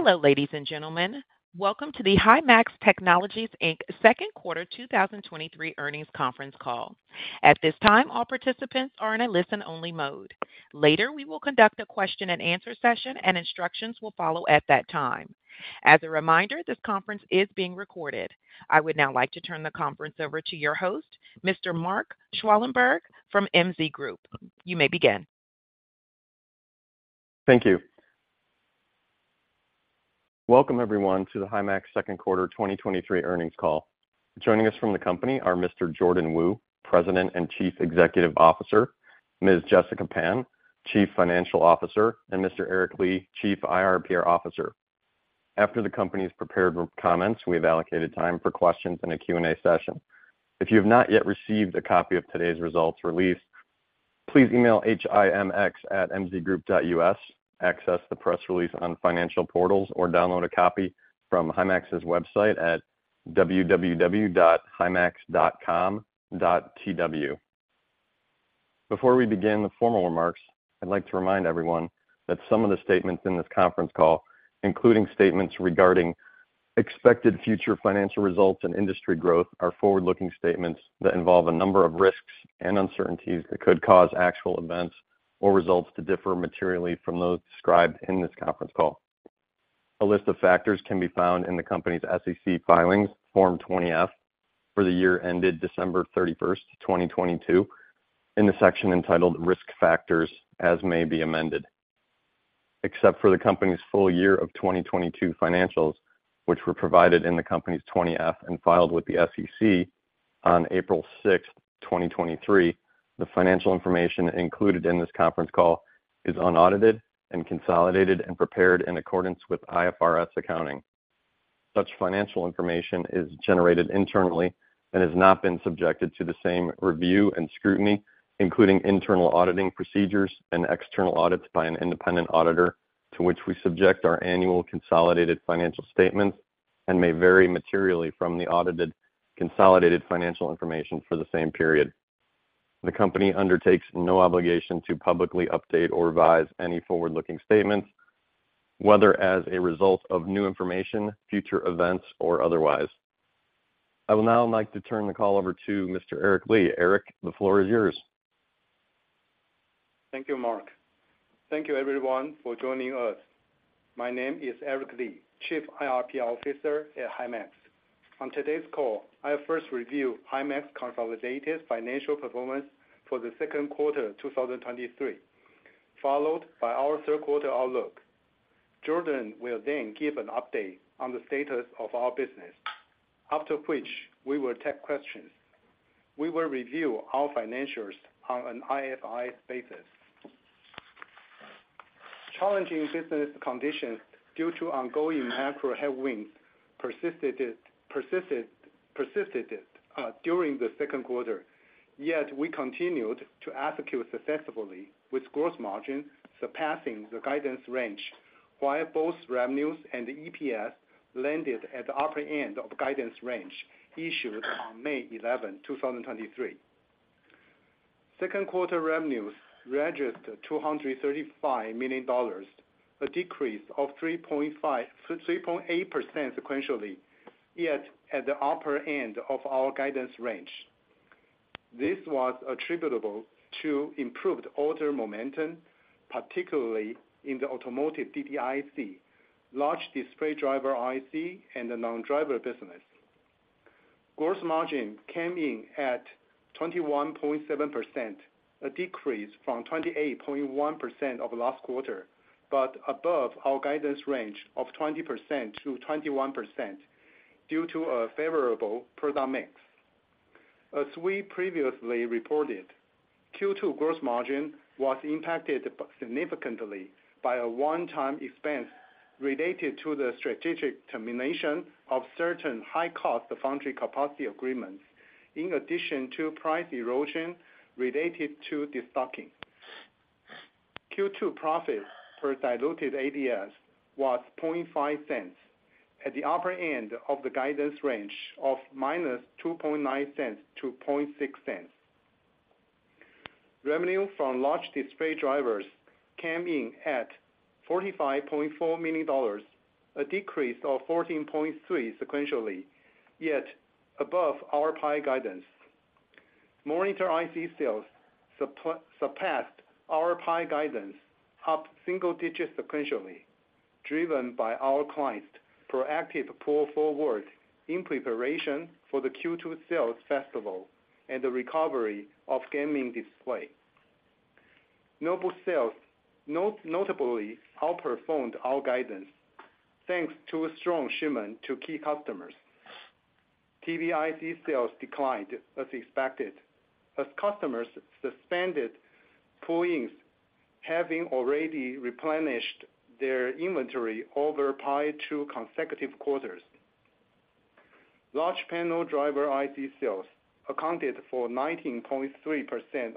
Hello, ladies and gentlemen. Welcome to the Himax Technologies, Inc.'s Second Quarter 2023 Earnings Conference Call. At this time, all participants are in a listen-only mode. Later, we will conduct a question-and-answer session, and instructions will follow at that time. As a reminder, this conference is being recorded. I would now like to turn the conference over to your host, Mr. Mark Schwalenberg, from MZ Group. You may begin. Thank you. Welcome everyone to the Himax Second Quarter 2023 Earnings Call. Joining us from the company are Mr. Jordan Wu, President and Chief Executive Officer, Ms. Jessica Pan, Chief Financial Officer, and Mr. Eric Li, Chief IRPR Officer. After the company's prepared comments, we've allocated time for questions in a Q&A session. If you have not yet received a copy of today's results release, please email himx@mzgroup.us, access the press release on financial portals, or download a copy from Himax's website at www.himax.com.tw. Before we begin the formal remarks, I'd like to remind everyone that some of the statements in this conference call, including statements regarding expected future financial results and industry growth, are forward-looking statements that involve a number of risks and uncertainties that could cause actual events or results to differ materially from those described in this conference call. A list of factors can be found in the company's SEC Filings, Form 20-F, for the year ended 31st December, 2022, in the section entitled Risk Factors, as may be amended. Except for the company's full year of 2022 financials, which were provided in the company's 20-F and filed with the SEC on 6 April 2023, the financial information included in this conference call is unaudited and consolidated and prepared in accordance with IFRS accounting. Such financial information is generated internally and has not been subjected to the same review and scrutiny, including internal auditing procedures and external audits by an independent auditor, to which we subject our annual consolidated financial statements and may vary materially from the audited, consolidated financial information for the same period. The company undertakes no obligation to publicly update or revise any forward-looking statements, whether as a result of new information, future events, or otherwise. I will now like to turn the call over to Mr. Eric Li. Eric, the floor is yours. Thank you, Mark. Thank you everyone for joining us. My name is Eric Li, Chief IRPR Officer at Himax. On today's call, I first review Himax consolidated financial performance for the second quarter 2023, followed by our third quarter outlook. Jordan will give an update on the status of our business, after which we will take questions. We will review our financials on an IFRS basis. Challenging business conditions due to ongoing macro headwinds persisted during the second quarter. We continued to execute successfully with gross margin surpassing the guidance range, while both revenues and EPS landed at the upper end of guidance range issued on 11 May 2023. Second quarter revenues registered $235 million, a decrease of 3.8% sequentially, at the upper end of our guidance range. This was attributable to improved order momentum, particularly in the automotive DDIC, large display driver IC, and the non-driver business. Gross margin came in at 21.7%, a decrease from 28.1% of last quarter, but above our guidance range of 20%-21%, due to a favorable product mix. As we previously reported, Q2 gross margin was impacted significantly by a one-time expense related to the strategic termination of certain high-cost foundry capacity agreements, in addition to price erosion related to destocking. Q2 profit per diluted ADS was $0.005, at the upper end of the guidance range of -$0.029-$0.006. Revenue from large display drivers came in at $45.4 million, a decrease of 14.3% sequentially, yet above our guidance. Monitor IC sales surpassed our prior guidance up single digits sequentially, driven by our client's proactive pull forward in preparation for the Q2 sales festival and the recovery of gaming display. Notably outperformed our guidance, thanks to a strong shipment to key customers. TV IC sales declined as expected, as customers suspended pull-ins, having already replenished their inventory over pi two consecutive quarters. Large panel driver IC sales accounted for 19.3%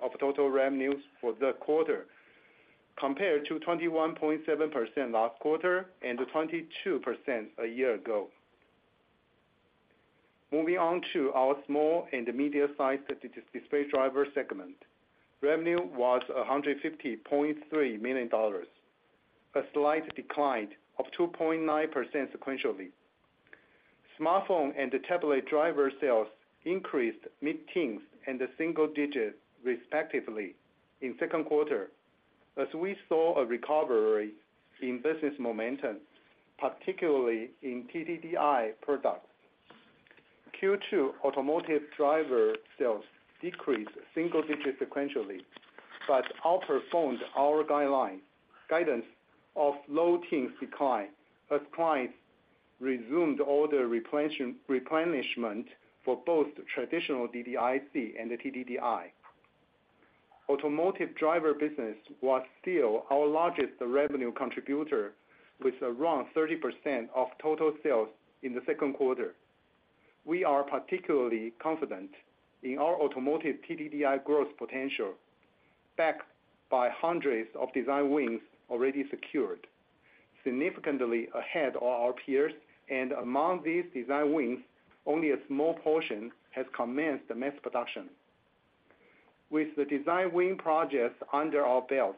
of total revenues for the quarter, compared to 21.7% last quarter and 22% a year ago. Moving on to our small and medium-sized display driver segment. Revenue was $150.3 million, a slight decline of 2.9% sequentially. Smartphone and tablet driver sales increased mid-teens and the single digits, respectively, in second quarter, as we saw a recovery in business momentum, particularly in TDDI products. Q2 automotive driver sales decreased single digits sequentially, but outperformed our guidance of low teens decline, as clients resumed order replenishment for both traditional DDIC and the TDDI. Automotive driver business was still our largest revenue contributor, with around 30% of total sales in the second quarter. We are particularly confident in our automotive TDDI growth potential, backed by hundreds of design wins already secured, significantly ahead of our peers. Among these design wins, only a small portion has commenced the mass production. With the design win projects under our belt,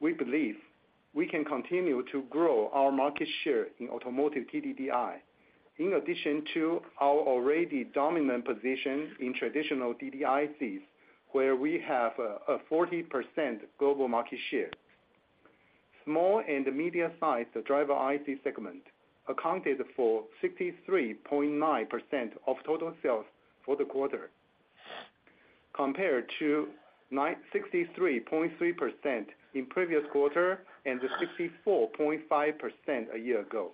we believe we can continue to grow our market share in automotive TDDI, in addition to our already dominant position in traditional DDICs, where we have a 40% global market share. Small and medium-sized driver IC segment accounted for 63.9% of total sales for the quarter, compared to 63.3% in previous quarter, and 64.5% a year ago.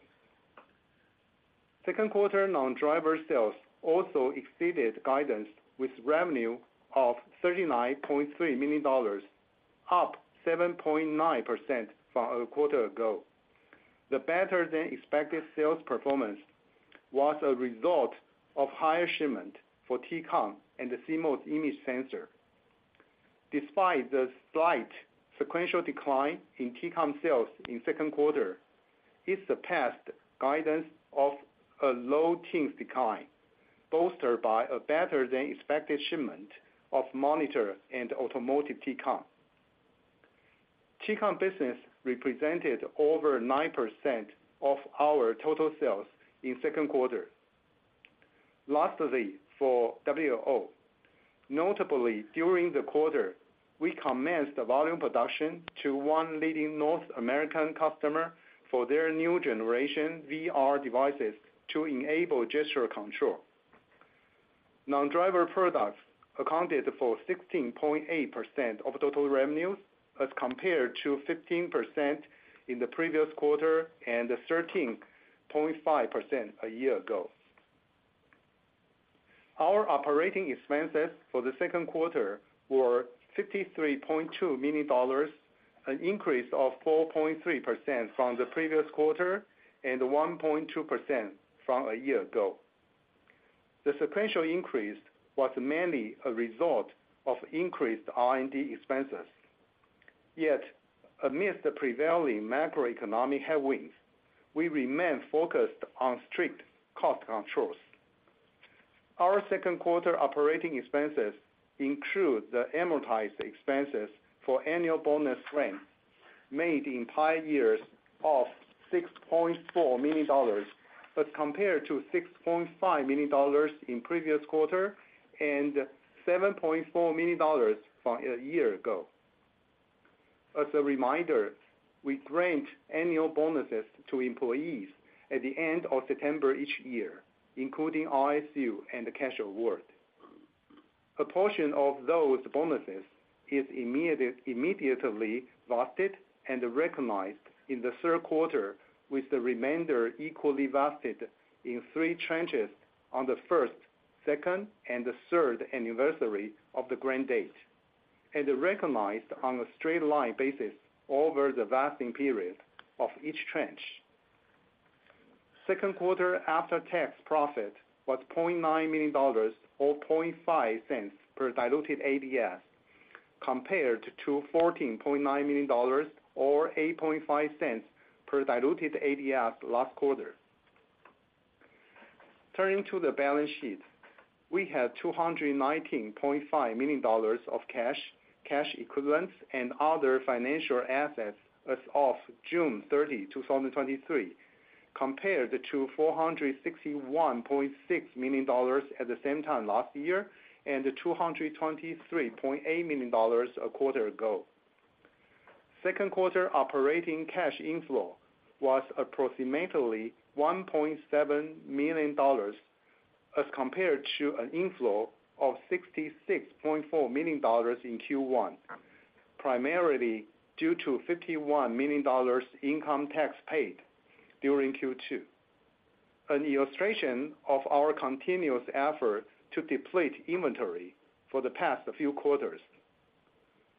Second quarter, non-driver sales also exceeded guidance, with revenue of $39.3 million, up 7.9% from a quarter ago. The better than expected sales performance was a result of higher shipment for TCON and the CMOS image sensor. Despite the slight sequential decline in TCON sales in second quarter, it surpassed guidance of a low teens decline, bolstered by a better than expected shipment of monitor and automotive TCON. TCON business represented over 9% of our total sales in second quarter. Lastly, for WLO, notably, during the quarter, we commenced the volume production to one leading North American customer for their new generation VR devices to enable gesture control. Non-driver products accounted for 16.8% of total revenues, as compared to 15% in the previous quarter, and 13.5% a year ago. Our operating expenses for the second quarter were $53.2 million, an increase of 4.3% from the previous quarter, and 1.2% from a year ago. The sequential increase was mainly a result of increased R&D expenses. Yet, amidst the prevailing macroeconomic headwinds, we remain focused on strict cost controls. Our second quarter operating expenses include the amortized expenses for annual bonus grant, made in prior years of $6.4 million, but compared to $6.5 million in previous quarter, and $7.4 million from a year ago. As a reminder, we grant annual bonuses to employees at the end of September each year, including RSU and the cash award. A portion of those bonuses is immediately vested and recognized in the third quarter, with the remainder equally vested in three tranches on the first, second, and the third anniversary of the grant date. Recognized on a straight line basis over the vesting period of each tranche. Second quarter after-tax profit was $0.9 million, or $0.005 per diluted ADS, compared to $14.9 million, or $0.085 per diluted ADS last quarter. Turning to the balance sheet. We had $219.5 million of cash, cash equivalents, and other financial assets as of June 30, 2023, compared to $461.6 million at the same time last year, and $223.8 million a quarter ago. Second quarter operating cash inflow was approximately $1.7 million, as compared to an inflow of $66.4 million in Q1. Primarily due to $51 million income tax paid during Q2. An illustration of our continuous effort to deplete inventory for the past few quarters.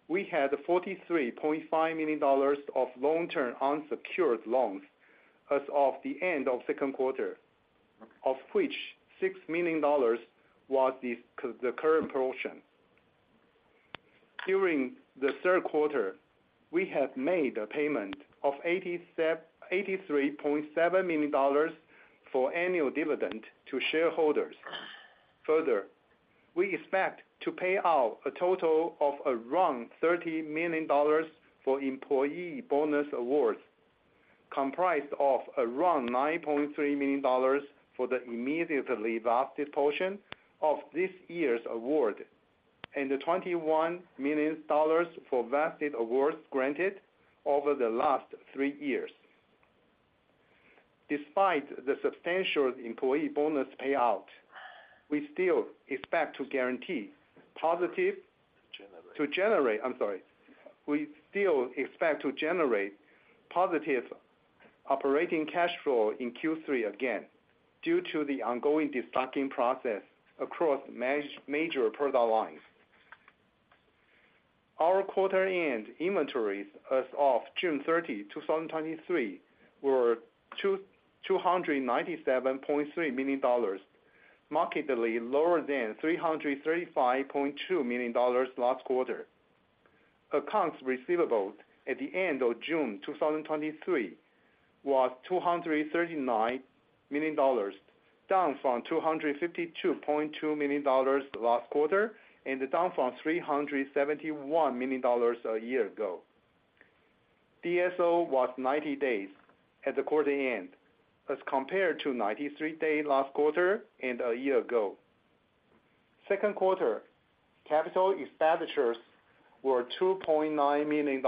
We had $43.5 million of long-term unsecured loans as of the end of second quarter, of which $6 million was the current portion. During the third quarter, we have made a payment of $83.7 million for annual dividend to shareholders. Further, we expect to pay out a total of around $30 million for employee bonus awards, comprised of around $9.3 million for the immediately vested portion of this year's award, and $21 million for vested awards granted over the last three years. Despite the substantial employee bonus payout, we still expect to guarantee positive To generate. To generate, I'm sorry. We still expect to generate positive operating cash flow in Q3 again, due to the ongoing destocking process across major product lines. Our quarter-end inventories as of June 30, 2023, were $297.3 million, markedly lower than $335.2 million last quarter. Accounts receivable at the end of June 2023, was $239 million, down from $252.2 million last quarter, and down from $371 million a year ago. DSO was 90 days at the quarter end, as compared to 93 days last quarter and a year ago. Second quarter, capital expenditures were $2.9 million,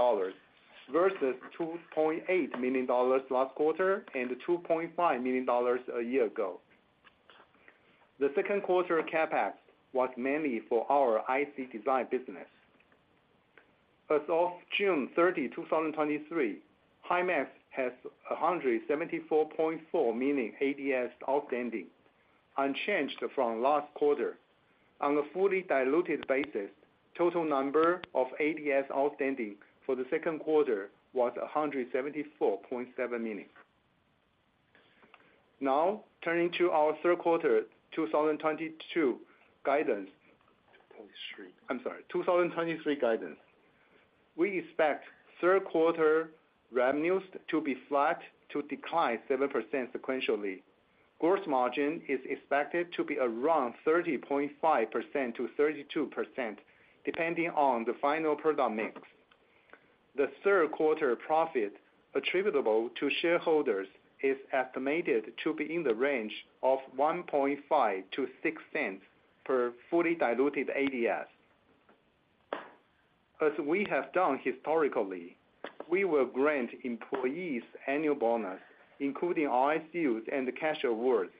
versus $2.8 million last quarter, and $2.5 million a year ago. The second quarter CapEx was mainly for our IC design business. As of 30 June 2023, Himax has 174.4 million ADS outstanding, unchanged from last quarter. On a fully diluted basis, total number of ADS outstanding for the second quarter was 174.7 million. Now, turning to our third quarter 2022 guidance. 2023. I'm sorry, 2023 guidance. We expect third quarter revenues to be flat to decline 7% sequentially. Gross margin is expected to be around 30.5%-32%, depending on the final product mix. The third quarter profit attributable to shareholders is estimated to be in the range of $0.015-$0.06 per fully diluted ADS. As we have done historically, we will grant employees annual bonus, including RSUs and cash awards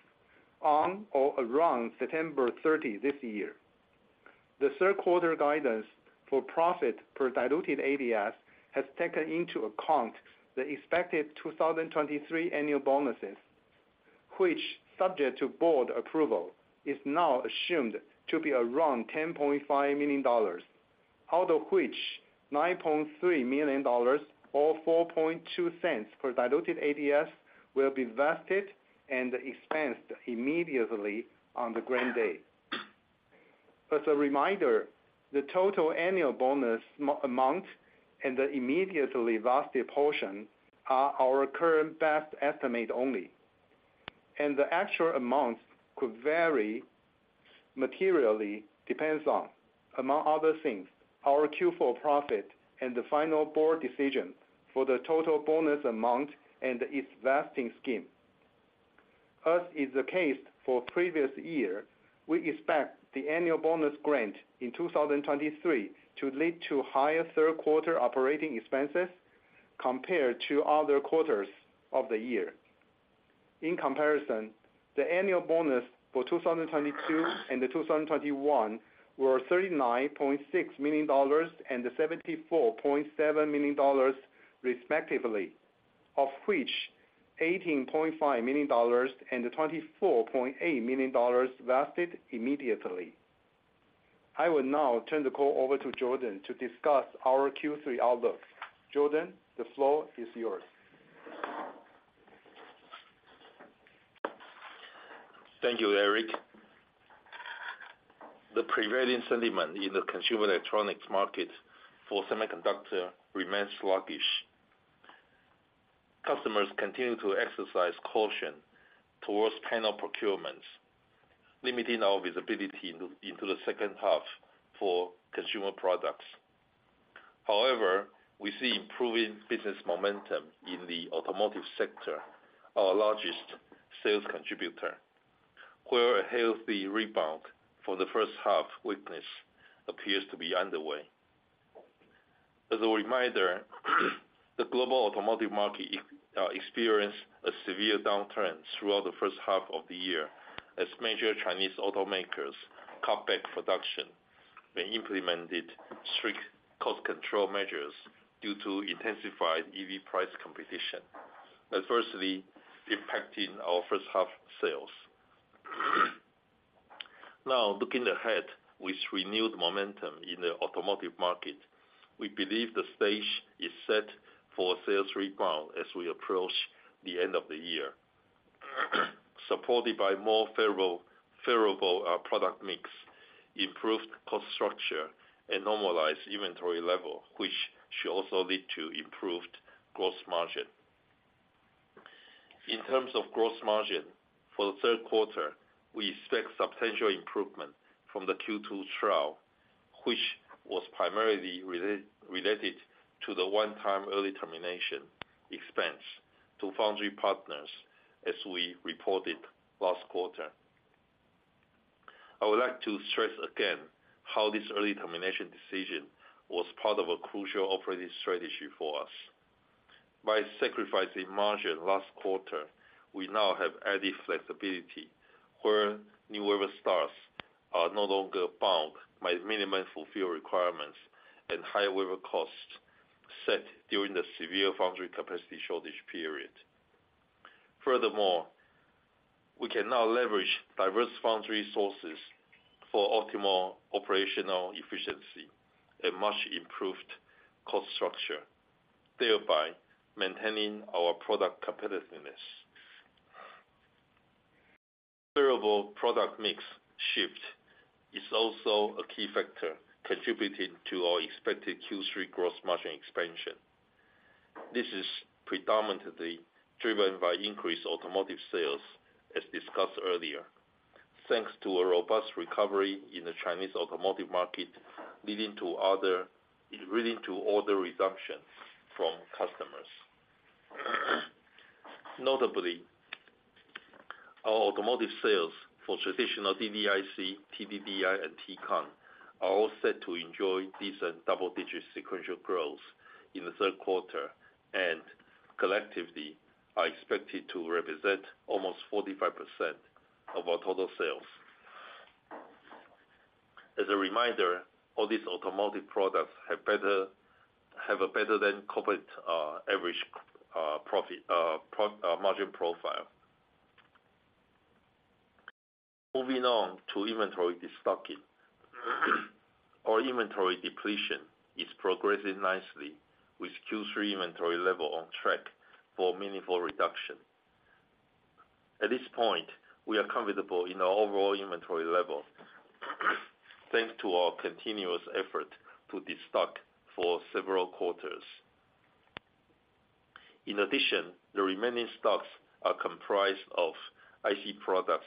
on or around September 30, this year. The third quarter guidance for profit per diluted ADS has taken into account the expected 2023 annual bonuses. Which subject to board approval, is now assumed to be around $10.5 million, out of which $9.3 million or $0.042 per diluted ADS will be vested and expensed immediately on the grant date. As a reminder, the total annual bonus amount and the immediately vested portion, are our current best estimate only. The actual amounts could vary materially, depends on, among other things, our Q4 profit and the final board decision for the total bonus amount and its vesting scheme. As is the case for previous year, we expect the annual bonus grant in 2023, to lead to higher third quarter operating expenses compared to other quarters of the year. In comparison, the annual bonus for 2022 and 2021 were $39.6 million and $74.7 million respectively, of which $18.5 million and $24.8 million vested immediately. I will now turn the call over to Jordan to discuss our Q3 outlook. Jordan, the floor is yours. Thank you, Eric. The prevailing sentiment in the consumer electronics market for semiconductor remains sluggish. Customers continue to exercise caution towards panel procurements, limiting our visibility into the second half for consumer products. However, we see improving business momentum in the automotive sector, our largest sales contributor, where a healthy rebound for the first half weakness appears to be underway. As a reminder, the global automotive market experienced a severe downturn throughout the first half of the year, as major Chinese automakers cut back production. They implemented strict cost control measures due to intensified EV price competition, adversely impacting our first half sales. Now, looking ahead with renewed momentum in the automotive market, we believe the stage is set for a sales rebound as we approach the end of the year. supported by more favorable, favorable product mix, improved cost structure and normalized inventory level, which should also lead to improved gross margin. In terms of gross margin for the third quarter, we expect substantial improvement from the Q2 trial, which was primarily related to the one-time early termination expense to foundry partners as we reported last quarter. I would like to stress again how this early termination decision was part of a crucial operating strategy for us. By sacrificing margin last quarter, we now have added flexibility where new wafer starts are no longer bound by minimum fulfill requirements and high wafer costs set during the severe foundry capacity shortage period. Furthermore, we can now leverage diverse foundry sources for optimal operational efficiency and much improved cost structure, thereby maintaining our product competitiveness. Favorable product mix shift is also a key factor contributing to our expected Q3 gross margin expansion. This is predominantly driven by increased automotive sales, as discussed earlier. Thanks to a robust recovery in the Chinese automotive market, leading to order resumption from customers. Notably, our automotive sales for traditional DDIC, TDDI and TCON are all set to enjoy decent double-digit sequential growth in the third quarter and collectively are expected to represent almost 45% of our total sales. As a reminder, all these automotive products have a better than corporate average profit margin profile. Moving on to inventory destocking. Our inventory depletion is progressing nicely with Q3 inventory level on track for meaningful reduction. At this point, we are comfortable in our overall inventory level, thanks to our continuous effort to destock for several quarters. In addition, the remaining stocks are comprised of IC products,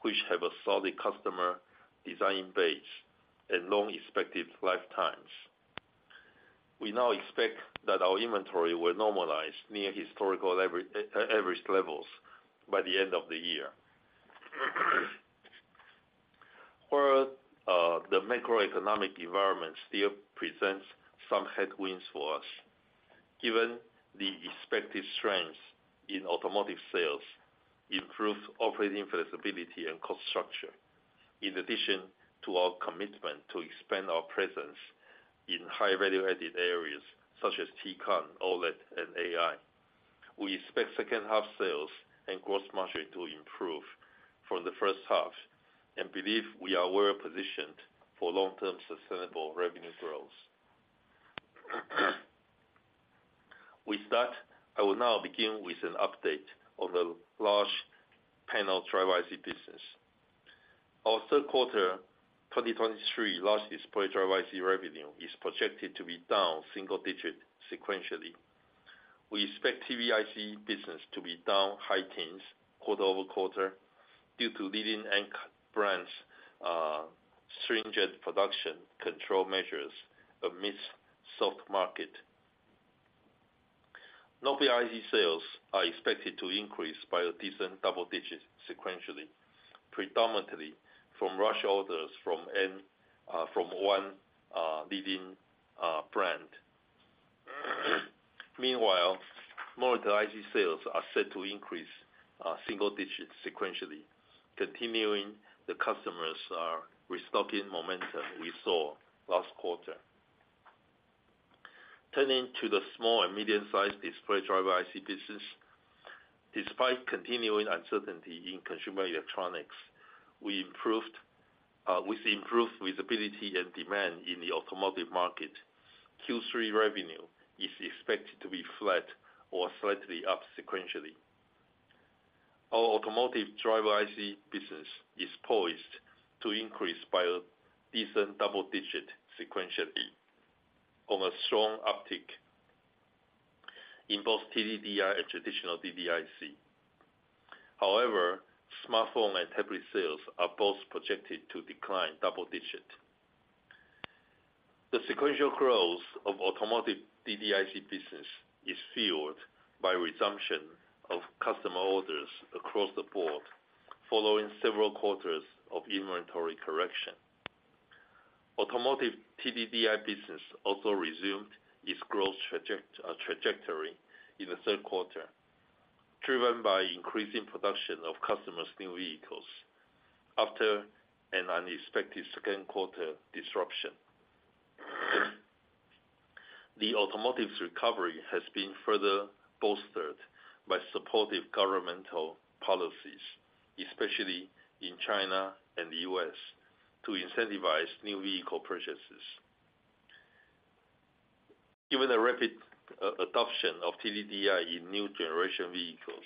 which have a solid customer design base and long expected lifetimes. We now expect that our inventory will normalize near historical every average levels by the end of the year. While the macroeconomic environment still presents some headwinds for us, given the expected strength in automotive sales, improved operating flexibility and cost structure, in addition to our commitment to expand our presence in high value-added areas such as TCON, OLED and AI. We expect second half sales and gross margin to improve from the first half and believe we are well positioned for long-term sustainable revenue growth. With that, I will now begin with an update on the large panel driver IC business. Our third quarter 2023 largest display driver IC revenue is projected to be down single-digit sequentially. We expect TV IC business to be down high teens quarter-over-quarter due to leading anchor brands, stringent production control measures amidst soft market. Non-driver IC sales are expected to increase by a decent double digits sequentially, predominantly from rush orders from end, from one leading brand. Meanwhile, monitor IC sales are set to increase single digits sequentially, continuing the customers' restocking momentum we saw last quarter. Turning to the small and medium-sized display driver IC business. Despite continuing uncertainty in consumer electronics, we improved with improved visibility and demand in the automotive market, Q3 revenue is expected to be flat or slightly up sequentially. Our automotive driver IC business is poised to increase by a decent double digit sequentially on a strong uptick in both TDDI and traditional DDIC. Smartphone and tablet sales are both projected to decline double digit. The sequential growth of automotive DDIC business is fueled by resumption of customer orders across the board, following several quarters of inventory correction. Automotive TDDI business also resumed its growth traject, trajectory in the Third quarter, driven by increasing production of customers' new vehicles after an unexpected 2nd quarter disruption. The automotive's recovery has been further bolstered by supportive governmental policies, especially in China and the US, to incentivize new vehicle purchases. Given the rapid, adoption of TDDI in new generation vehicles,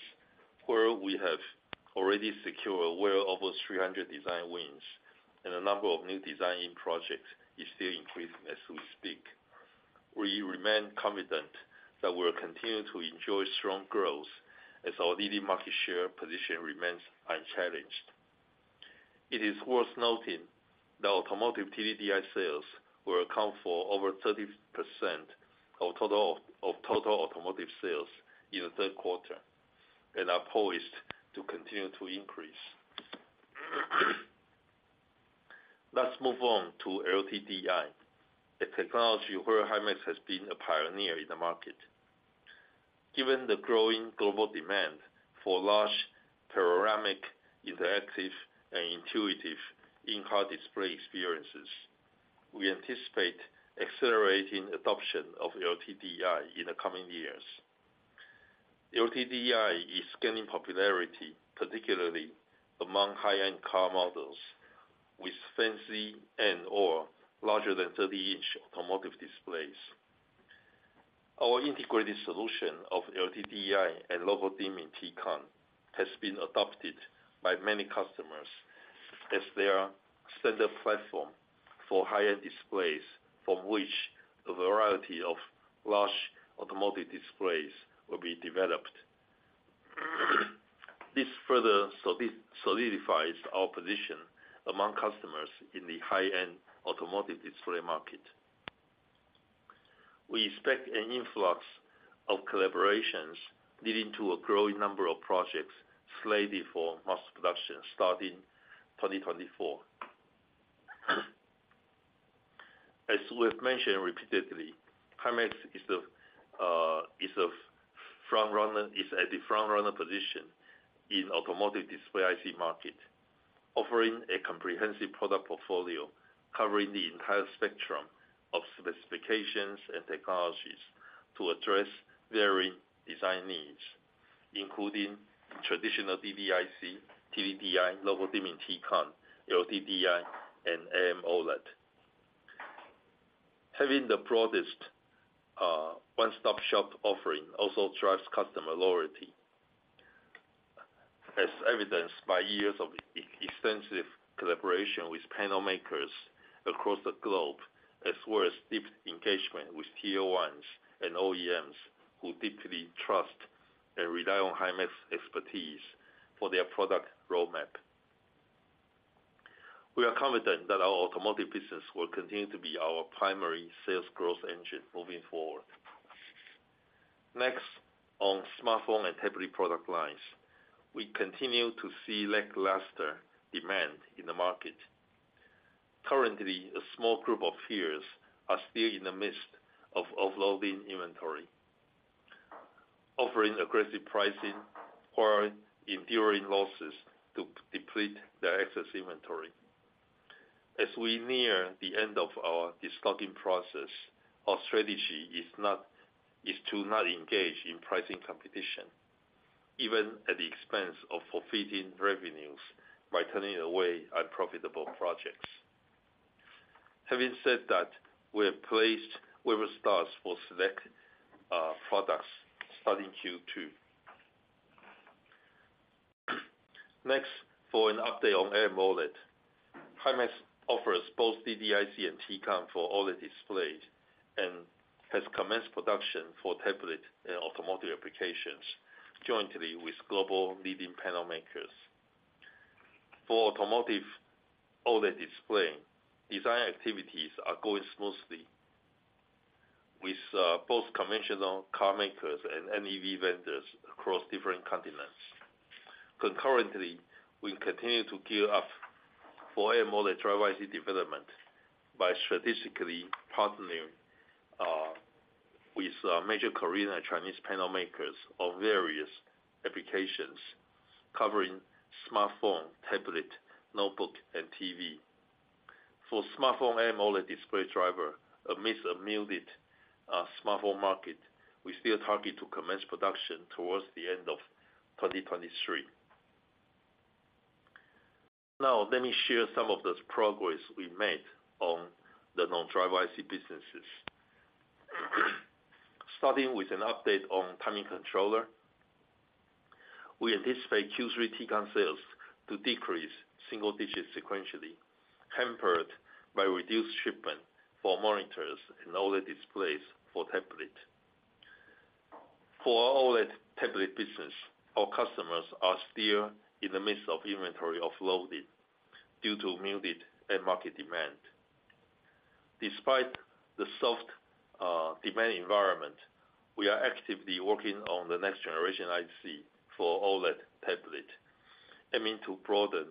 where we have already secured well over 300 design wins and a number of new design-in projects is still increasing as we speak. We remain confident that we'll continue to enjoy strong growth as our leading market share position remains unchallenged. It is worth noting that automotive TDDI sales will account for over 30% of total automotive sales in the third quarter, and are poised to continue to increase. Let's move on to LTDI, a technology where Himax has been a pioneer in the market. Given the growing global demand for large panoramic, interactive, and intuitive in-car display experiences, we anticipate accelerating adoption of LTDI in the coming years. LTDI is gaining popularity, particularly among high-end car models with fancy and or larger than 30-inch automotive displays. Our integrated solution of LTDI and local dimming TCON has been adopted by many customers as their standard platform for higher displays, from which a variety of large automotive displays will be developed. This further solidifies our position among customers in the high-end automotive display market. We expect an influx of collaborations leading to a growing number of projects slated for mass production starting 2024. As we've mentioned repeatedly, Himax is the, is a frontrunner- is at the frontrunner position in automotive display IC market, offering a comprehensive product portfolio covering the entire spectrum of specifications and technologies to address varying design needs, including traditional DDIC, TDDI, local dimming TCON, LTDI, and AMOLED. Having the broadest, one-stop shop offering also drives customer loyalty. As evidenced by years of extensive collaboration with panel makers across the globe, as well as deep engagement with Tier Ones and OEMs who deeply trust and rely on Himax expertise for their product roadmap. We are confident that our automotive business will continue to be our primary sales growth engine moving forward. Next, on smartphone and tablet product lines, we continue to see lackluster demand in the market. Currently, a small group of peers are still in the midst of offloading inventory, offering aggressive pricing or enduring losses to deplete their excess inventory. As we near the end of our destocking process, our strategy is to not engage in pricing competition, even at the expense of forfeiting revenues by turning away unprofitable projects. Having said that, we have placed order stops for select products starting Q2. Next, for an update on AMOLED. Himax offers both DDIC and TCON for all the displays and has commenced production for tablet and automotive applications, jointly with global leading panel makers. For automotive OLED display, design activities are going smoothly with both conventional car makers and NEV vendors across different continents. Concurrently, we continue to gear up for AMOLED driver IC development by strategically partnering with major Korean and Chinese panel makers on various applications covering smartphone, tablet, notebook, and TV. For smartphone AMOLED display driver, amidst a muted smartphone market, we still target to commence production towards the end of 2023. Now, let me share some of the progress we made on the Non-driver IC businesses. Starting with an update on timing controller. We anticipate Q3 T-Conn sales to decrease single digits sequentially, tempered by reduced shipment for monitors and all the displays for tablet. For OLED tablet business, our customers are still in the midst of inventory offloading due to muted end market demand. Despite the soft demand environment, we are actively working on the next generation IC for OLED tablet, aiming to broaden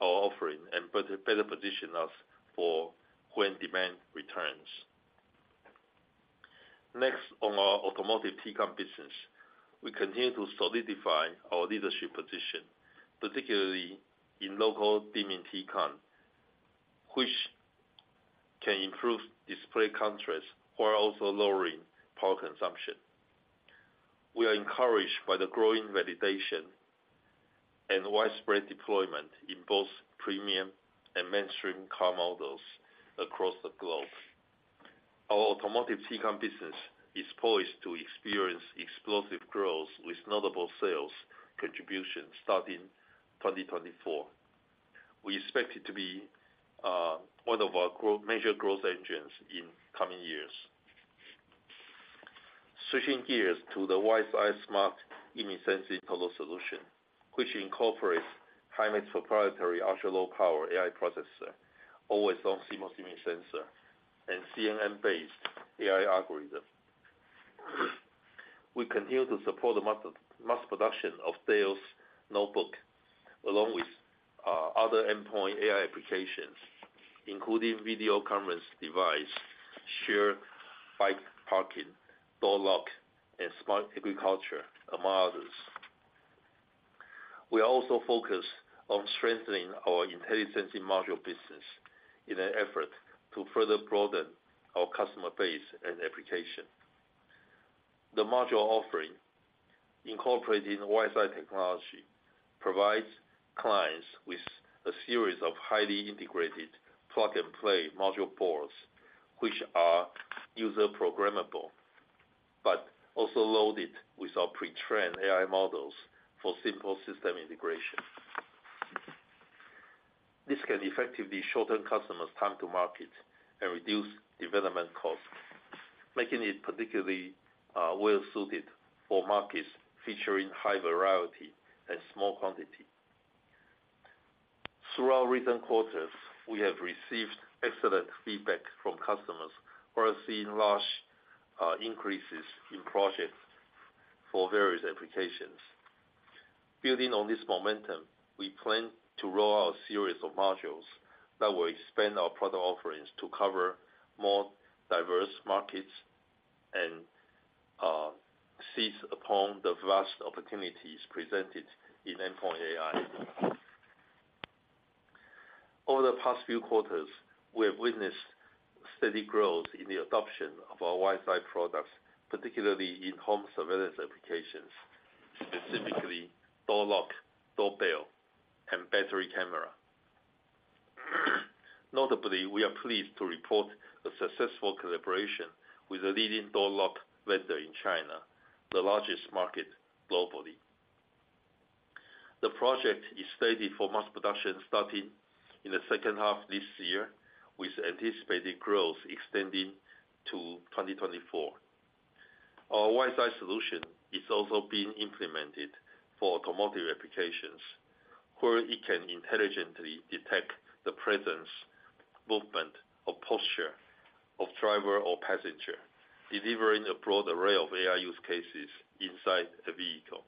our offering and better, better position us for when demand returns. Next, on our automotive TCON business, we continue to solidify our leadership position, particularly in local dimming TCON, which can improve display contrast while also lowering power consumption. We are encouraged by the growing validation and widespread deployment in both premium and mainstream car models across the globe. Our automotive SiCam business is poised to experience explosive growth with notable sales contribution starting 2024. We expect it to be one of our major growth engines in coming years. Switching gears to the WiseEye Smart Image Sensing Total Solution, which incorporates Himax proprietary ultra-low power AI processor, always-on CMOS image sensor, and CNN-based AI algorithm. We continue to support the mass production of Dell's notebook, along with other endpoint AI applications, including video conference device, share bike parking, door lock, and smart agriculture, among others. We are also focused on strengthening our intelligent sensing module business in an effort to further broaden our customer base and application. The module offering, incorporating WiseEye technology, provides clients with a series of highly integrated plug-and-play module boards, which are user programmable, but also loaded with our pre-trained AI models for simple system integration. This can effectively shorten customers' time to market and reduce development costs, making it particularly well suited for markets featuring high variety and small quantity. Through our recent quarters, we have received excellent feedback from customers who are seeing large increases in projects for various applications. Building on this momentum, we plan to roll out a series of modules that will expand our product offerings to cover more diverse markets and seize upon the vast opportunities presented in endpoint AI. Over the past few quarters, we have witnessed steady growth in the adoption of our WiseEye products, particularly in home surveillance applications, specifically door lock, doorbell, and battery camera. Notably, we are pleased to report a successful collaboration with a leading door lock vendor in China, the largest market globally. The project is slated for mass production starting in the second half this year, with anticipated growth extending to 2024. Our WiseEye solution is also being implemented for automotive applications, where it can intelligently detect the presence, movement, or posture of driver or passenger, delivering a broad array of AI use cases inside the vehicle.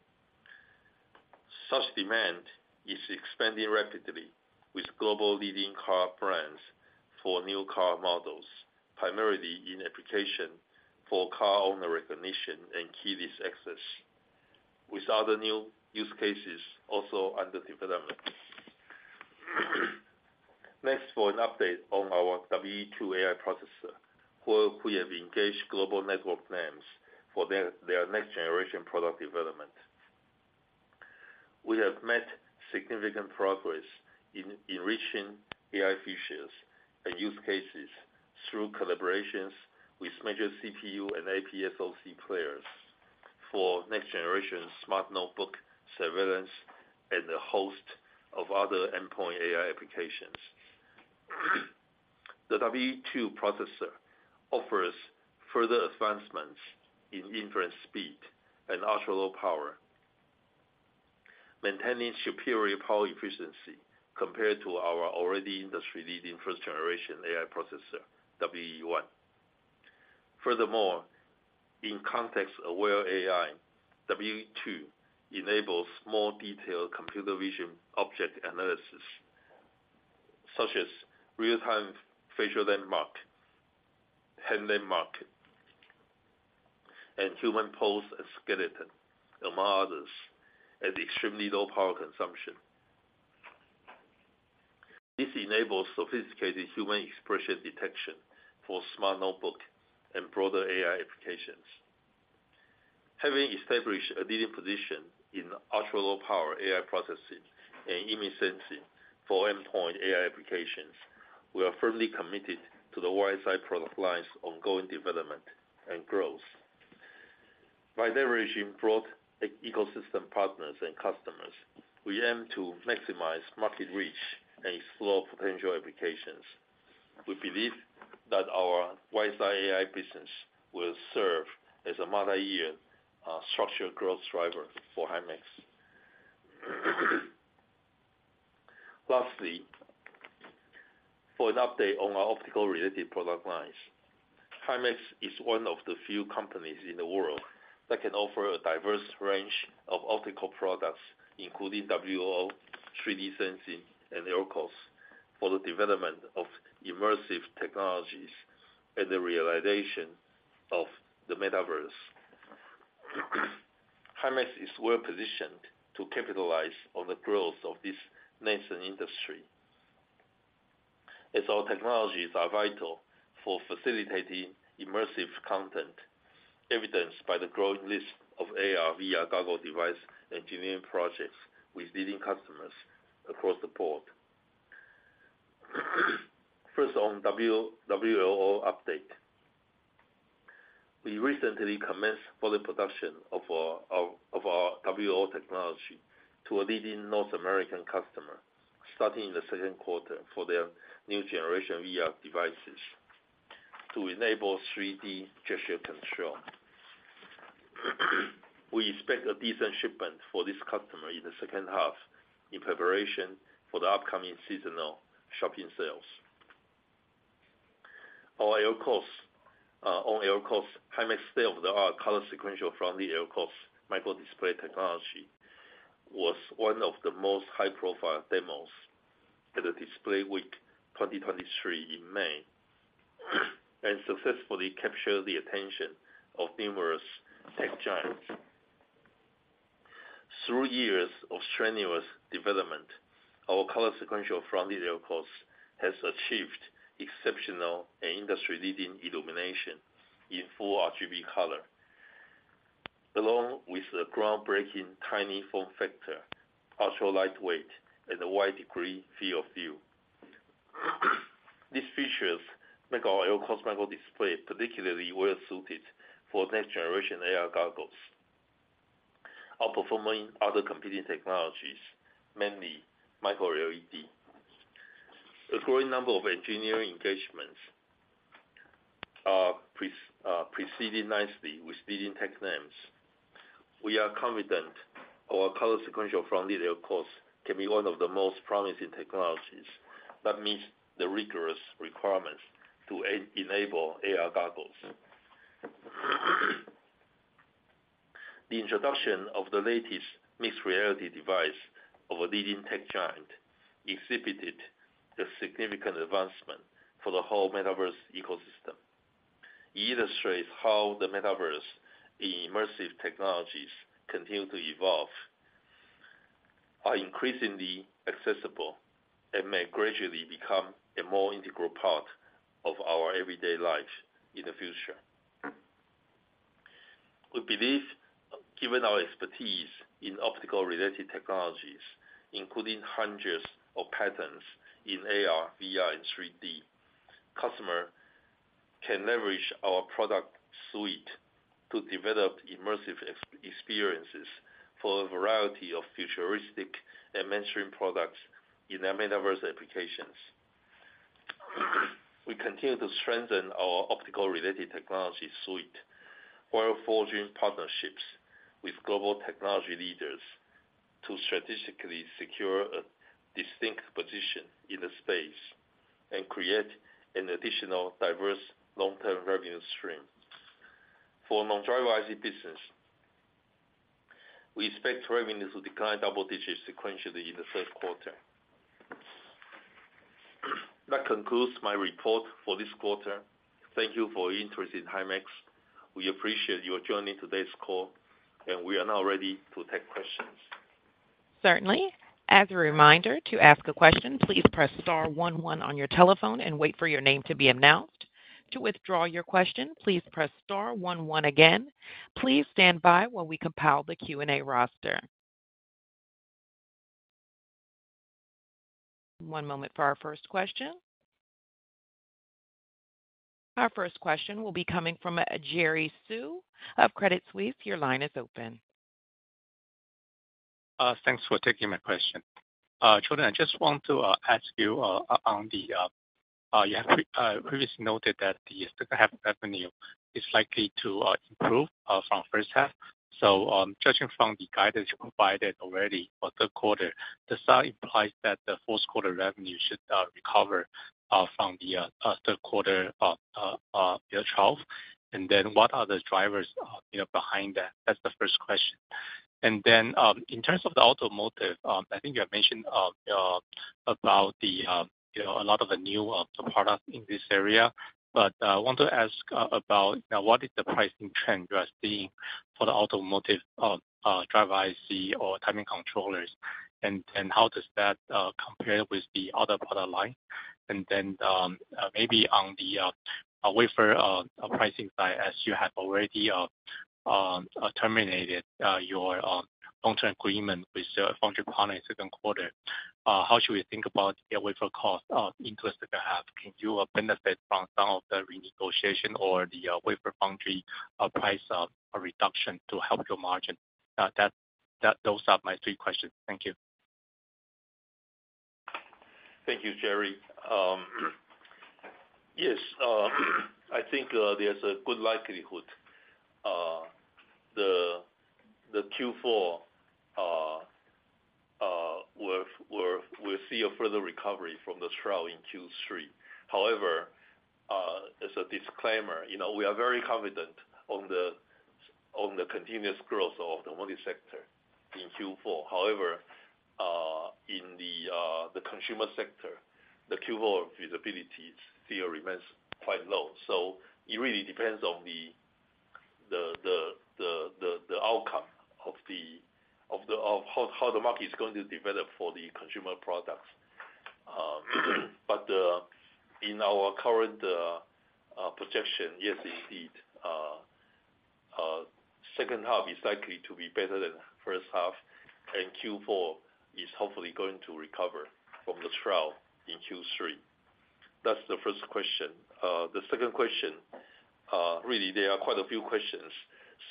Such demand is expanding rapidly with global leading car brands for new car models, primarily in application for car owner recognition and keyless access. With other new use cases also under development. Next, for an update on our WE2 AI processor, where we have engaged global network plans for their next generation product development. We have made significant progress in enriching AI features and use cases through collaborations with major CPU and AP SoC players for next generation smart notebook surveillance and a host of other endpoint AI applications. The WE2 processor offers further advancements in inference speed and ultra-low power, maintaining superior power efficiency compared to our already industry-leading first generation AI processor, WE1. Furthermore, in context-aware AI, WE2 enables more detailed computer vision, object analysis, such as real-time facial landmark, hand landmark, and human pose and skeleton, among others, at extremely low power consumption. This enables sophisticated human expression detection for smart notebook and broader AI applications. Having established a leading position in ultra-low power AI processing and image sensing for endpoint AI applications, we are firmly committed to the WiseEye product line's ongoing development and growth. By leveraging broad ecosystem partners and customers, we aim to maximize market reach and explore potential applications. We believe that our WiseEye AI business will serve as a multi-year structural growth driver for Himax. Lastly, for an update on our optical-related product lines. Himax is one of the few companies in the world that can offer a diverse range of optical products, including WLO, 3D sensing, and LCOS, for the development of immersive technologies and the realization of the metaverse. Himax is well positioned to capitalize on the growth of this nascent industry.... Our technologies are vital for facilitating immersive content, evidenced by the growing list of AR/VR goggle device engineering projects with leading customers across the board. First, on WLO update. We recently commenced full production of our WLO technology to a leading North American customer, starting in the second quarter for their new generation VR devices to enable 3D gesture control. We expect a decent shipment for this customer in the second half, in preparation for the upcoming seasonal shopping sales. Our LCOS, on LCOS, Himax state-of-the-art Color Sequential Front-Lit LCoS microdisplay technology was one of the most high-profile demos at the DisplayWeek 2023 in May, and successfully captured the attention of numerous tech giants. Through years of strenuous development, our color sequential from LCoS has achieved exceptional and industry-leading illumination in full RGB color, along with a groundbreaking tiny form factor, ultra-lightweight, and a wide degree field of view. These features make our LCoS microdisplay particularly well-suited for next-generation AR goggles, outperforming other competing technologies, mainly MicroLED. A growing number of engineering engagements are proceeding nicely with leading tech names. We are confident our color sequential from LCoS can be one of the most promising technologies that meets the rigorous requirements to enable AR goggles. The introduction of the latest mixed reality device of a leading tech giant exhibited the significant advancement for the whole metaverse ecosystem. Illustrates how the metaverse in immersive technologies continue to evolve, are increasingly accessible, and may gradually become a more integral part of our everyday life in the future. We believe, given our expertise in optical-related technologies, including hundreds of patents in AR, VR, and 3D, customer can leverage our product suite to develop immersive experiences for a variety of futuristic and mainstream products in their metaverse applications. We continue to strengthen our optical-related technology suite, while forging partnerships with global technology leaders to strategically secure a distinct position in the space and create an additional diverse, long-term revenue stream. For Non-driver IC business, we expect revenue to decline double digits sequentially in the third quarter. That concludes my report for this quarter. Thank you for your interest in Himax. We appreciate your joining today's call, we are now ready to take questions. Certainly. As a reminder, to ask a question, please press star one one on your telephone and wait for your name to be announced. To withdraw your question, please press star one one again. Please stand by while we compile the Q&A roster. One moment for our first question. Our first question will be coming from Jerry Su of Credit Suisse. Your line is open. Thanks for taking my question. Chuan, I just want to ask you on the, you have previously noted that the Second half revenue is likely to improve from First half. Judging from the guidance you provided already for third quarter, this side implies that the fourth quarter revenue should recover from the third quarter of year 12. What are the drivers, you know, behind that? That's the 1st question. In terms of the automotive, I think you have mentioned about the, you know, a lot of the new products in this area. I want to ask about, you know, what is the pricing trend you are seeing for the automotive driver IC or timing controllers, and how does that compare with the other product line? Maybe on the wafer pricing side, as you have already terminated your long-term agreement with foundry partner in second quarter, how should we think about the wafer cost into the second half? Can you benefit from some of the renegotiation or the wafer foundry price reduction to help your margin? Those are my three questions. Thank you. Thank you, Jerry. Yes, I think there's a good likelihood, the, the Q4, will, will, will see a further recovery from the trough in Q3. However, as a disclaimer, you know, we are very confident on the, on the continuous growth of the monitor sector in Q4. However, in the, the consumer sector, the Q4 visibility still remains quite low. It really depends on the, the, the, the, the, the outcome of how, how the market is going to develop for the consumer products. In our current, projection, yes, indeed, second half is likely to be better than first half, and Q4 is hopefully going to recover from the trough in Q3. That's the first question. The second question, really, there are quite a few questions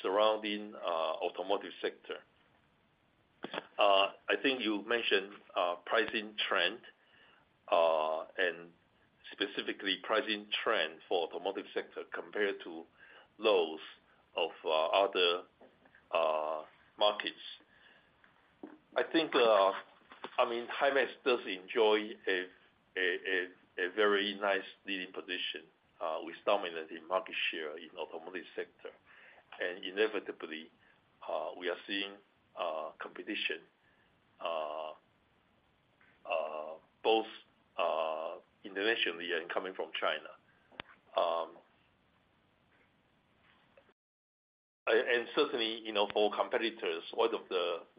surrounding, automotive sector. I think you mentioned pricing trend and specifically pricing trend for automotive sector compared to lows of other markets. I think, I mean, Himax does enjoy a very nice leading position with dominant in market share in automotive sector. Inevitably, we are seeing competition both internationally and coming from China. Certainly, you know, for competitors, one of the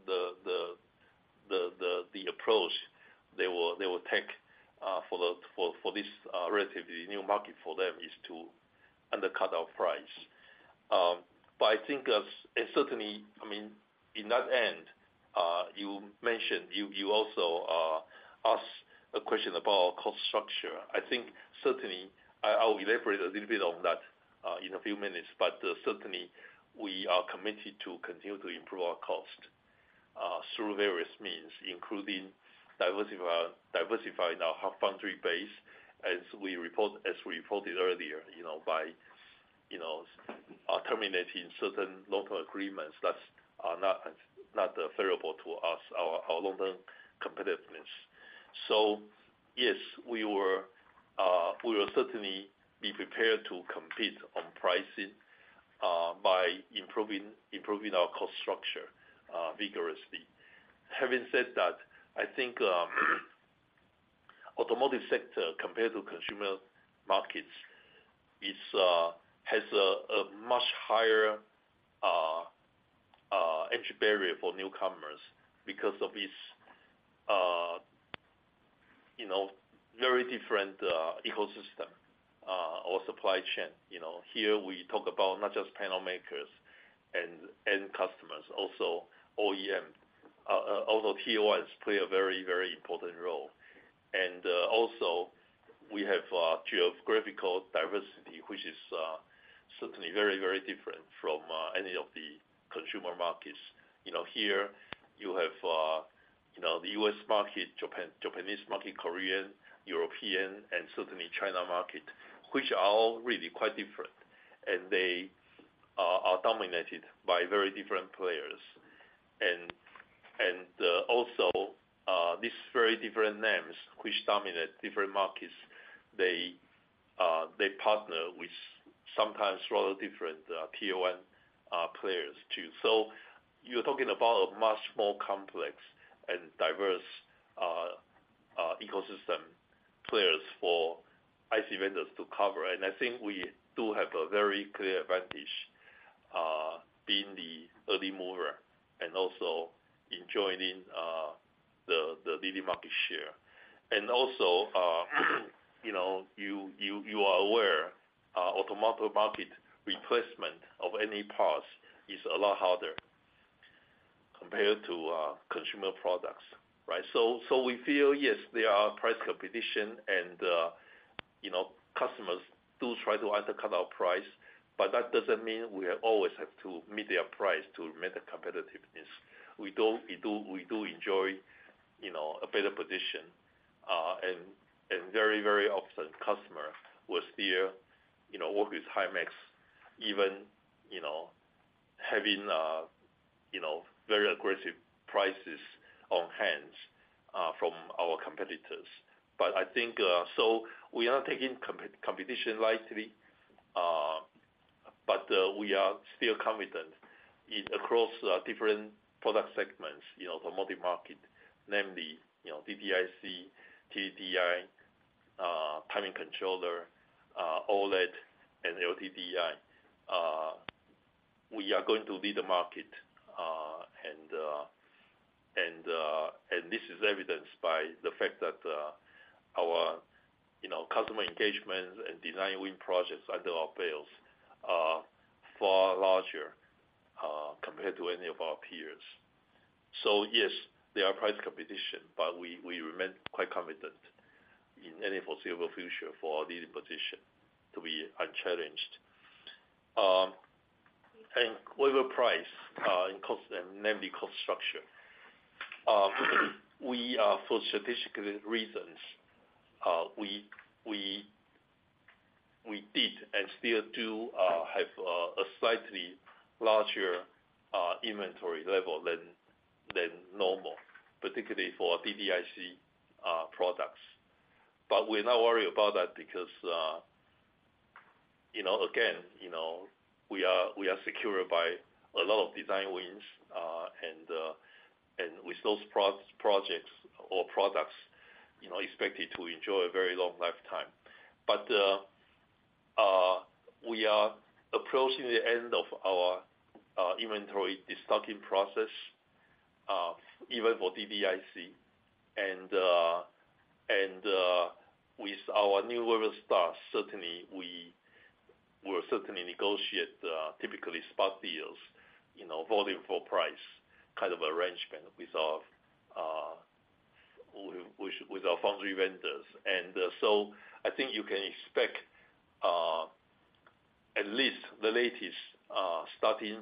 approach they will take for this relatively new market for them is to undercut our price. I think, and certainly, I mean, in that end, you mentioned you also asked a question about our cost structure. I think certainly I, I'll elaborate a little bit on that in a few minutes, but certainly we are committed to continue to improve our cost through various means, including diversifying, diversifying our foundry base, as we reported, as we reported earlier, you know, by, you know, terminating certain local agreements that's, are not, not favorable to us, our, our long-term competitiveness. Yes, we will certainly be prepared to compete on pricing by improving, improving our cost structure vigorously. Having said that, I think automotive sector, compared to consumer markets, is has a much higher entry barrier for newcomers because of its, you know, very different ecosystem or supply chain. You know, here we talk about not just panel makers and end customers, also OEM. Although TOIs play a very, very important role. Also, we have geographical diversity, which is certainly very, very different from any of the consumer markets. You know, here you have, you know, the U.S. market, Japan Japanese market, Korean, European, and certainly China market, which are all really quite different. They are dominated by very different players. Also, these very different names, which dominate different markets, they, they partner with sometimes rather different PON players, too. You're talking about a much more complex and diverse ecosystem players for IC vendors to cover. I think we do have a very clear advantage, being the early mover and also enjoying the leading market share. You know, you, you, you are aware, automotive market replacement of any parts is a lot harder compared to consumer products, right? We feel, yes, there are price competition and, you know, customers do try to undercut our price, but that doesn't mean we always have to meet their price to remain the competitiveness. We do, we do, we do enjoy, you know, a better position. Very, very often, customer will still, you know, work with Himax, even, you know, having very aggressive prices on hands from our competitors. We are not taking competition lightly, we are still confident in across different product segments, you know, the multi-market, namely, you know, DDIC, DDI, timing controller, OLED and LDDI. We are going to lead the market, and this is evidenced by the fact that our, you know, customer engagement and design win projects under our belts are far larger compared to any of our peers. Yes, there are price competition, but we, we remain quite confident in any foreseeable future for our leading position to be unchallenged. With the price and cost and namely cost structure, we are for strategic reasons, we, we, we did and still do have a slightly larger inventory level than normal, particularly for DDIC products. We're not worried about that because, you know, again, you know, we are, we are secured by a lot of design wins, and with those projects or products, you know, expected to enjoy a very long lifetime. We are approaching the end of our inventory destocking process, even for DDIC. With our new order start, certainly, we will certainly negotiate, typically spot deals, you know, volume for price kind of arrangement with our, with, with, with our foundry vendors. So I think you can expect, at least the latest, starting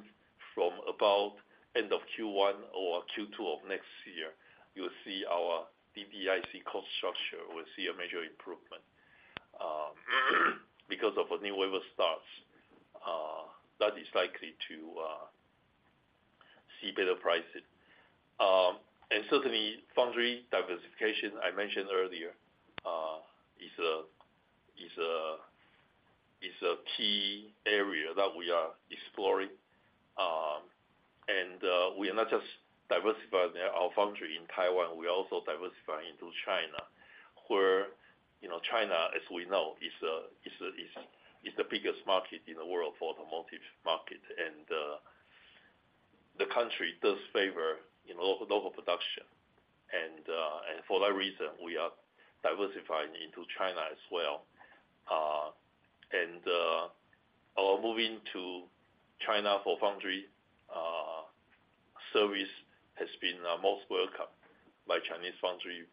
from about end of Q1 or Q2 of next year, you'll see our DDIC cost structure will see a major improvement, because of a new wave of starts, that is likely to see better pricing. Certainly foundry diversification, I mentioned earlier, is a key area that we are exploring. We are not just diversifying our foundry in Taiwan, we are also diversifying into China, where, you know, China, as we know, is the biggest market in the world for automotive market. The country does favor, you know, local production. For that reason, we are diversifying into China as well. Our moving to China for foundry service has been most welcomed by Chinese foundry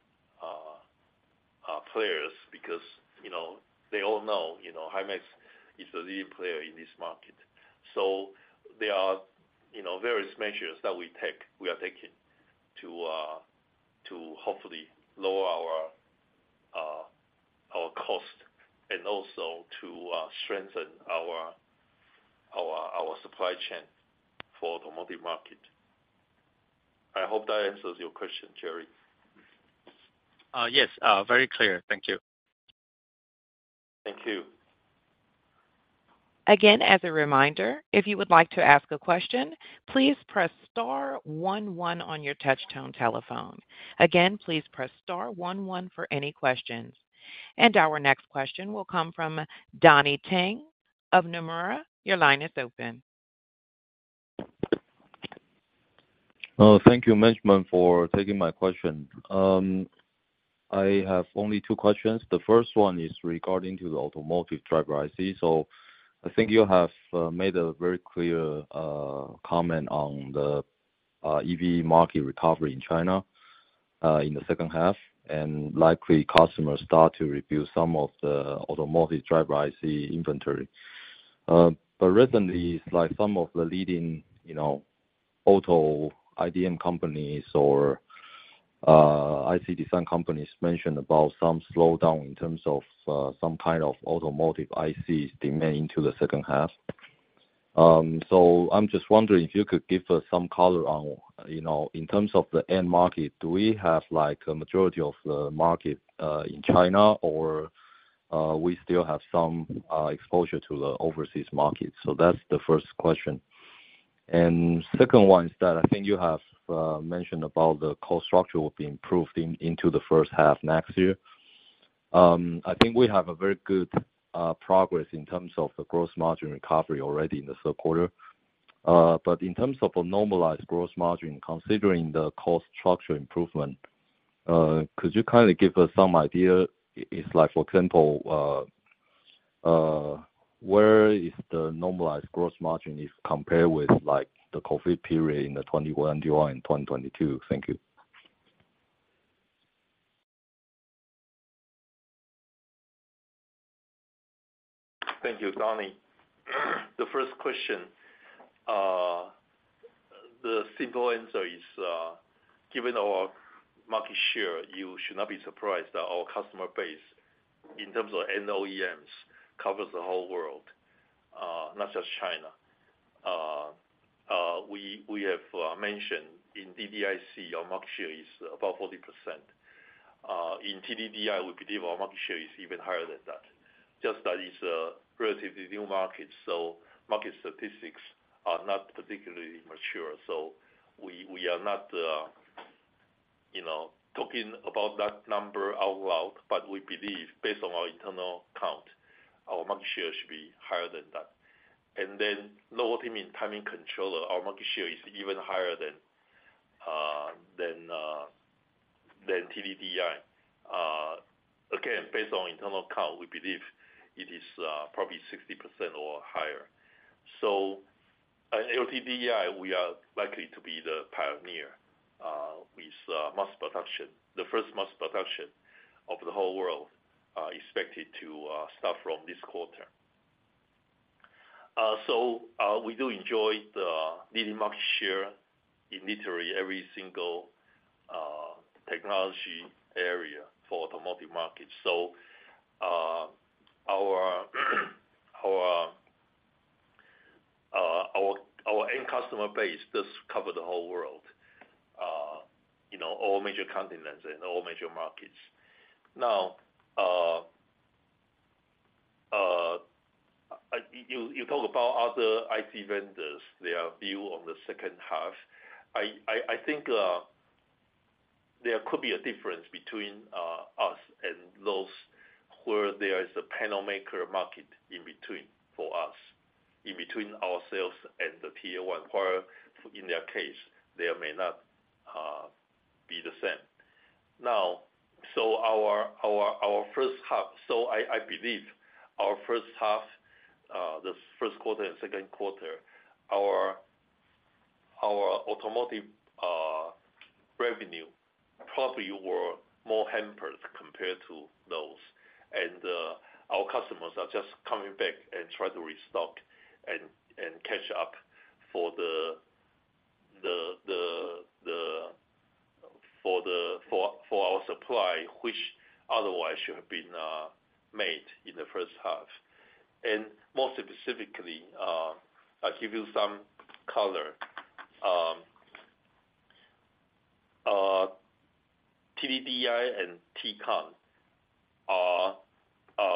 players because, you know, they all know, you know, Himax is the lead player in this market. There are, you know, various measures that we take, we are taking to hopefully lower our cost and also to strengthen our, our, our supply chain for automotive market. I hope that answers your question, Jerry. Yes, very clear. Thank you. Thank you. Again, as a reminder, if you would like to ask a question, please press star one one on your touchtone telephone. Again, please press star one one for any questions. Our next question will come from Donnie Teng of Nomura. Your line is open. Thank you, Management, for taking my question. I have only two questions. The first one is regarding to the automotive driver IC. I think you have made a very clear comment on the EV market recovery in China in the second half, and likely customers start to review some of the automotive driver IC inventory. Recently, like some of the leading, you know, auto IDM companies or IC design companies mentioned about some slowdown in terms of some kind of automotive IC demand into the second half. I'm just wondering if you could give us some color on, you know, in terms of the end market, do we have like a majority of the market in China, or we still have some exposure to the overseas market? That's the first question. Second one is that I think you have mentioned about the cost structure will be improved into the first half next year. I think we have a very good progress in terms of the gross margin recovery already in the third quarter. But in terms of a normalized gross margin, considering the cost structure improvement, could you kind of give us some idea? It's like, for example, where is the normalized gross margin is compared with, like, the COVID period in the 2021 and 2022? Thank you. Thank you, Donnie. The first question, the simple answer is, given our market share, you should not be surprised that our customer base, in terms of OEMs, covers the whole world, not just China. We, we have mentioned in DDIC, our market share is about 40%. In TDDI, we believe our market share is even higher than that. Just that is a relatively new market, so market statistics are not particularly mature. We, we are not, you know, talking about that number out loud, but we believe based on our internal count, our market share should be higher than that. Low timing, timing controller, our market share is even higher than, than, than TDDI. Again, based on internal count, we believe it is probably 60% or higher. At LTDI, we are likely to be the pioneer with mass production. The first mass production of the whole world expected to start from this quarter. We do enjoy the leading market share in literally every single technology area for automotive market. Our, our, our end customer base does cover the whole world, you know, all major continents and all major markets. Now, you talk about other IT vendors, their view on the second half. There could be a difference between us and those where there is a panel maker market in between for us, in between ourselves and the Tier 1, where in their case, they may not be the same. Our, our, our first half, so I believe our first half, the first quarter and second quarter, our, our automotive revenue probably were more hampered compared to those. Our customers are just coming back and try to restock and, and catch up for our supply, which otherwise should have been made in the first half. More specifically, I'll give you some color. TDDI and TCON are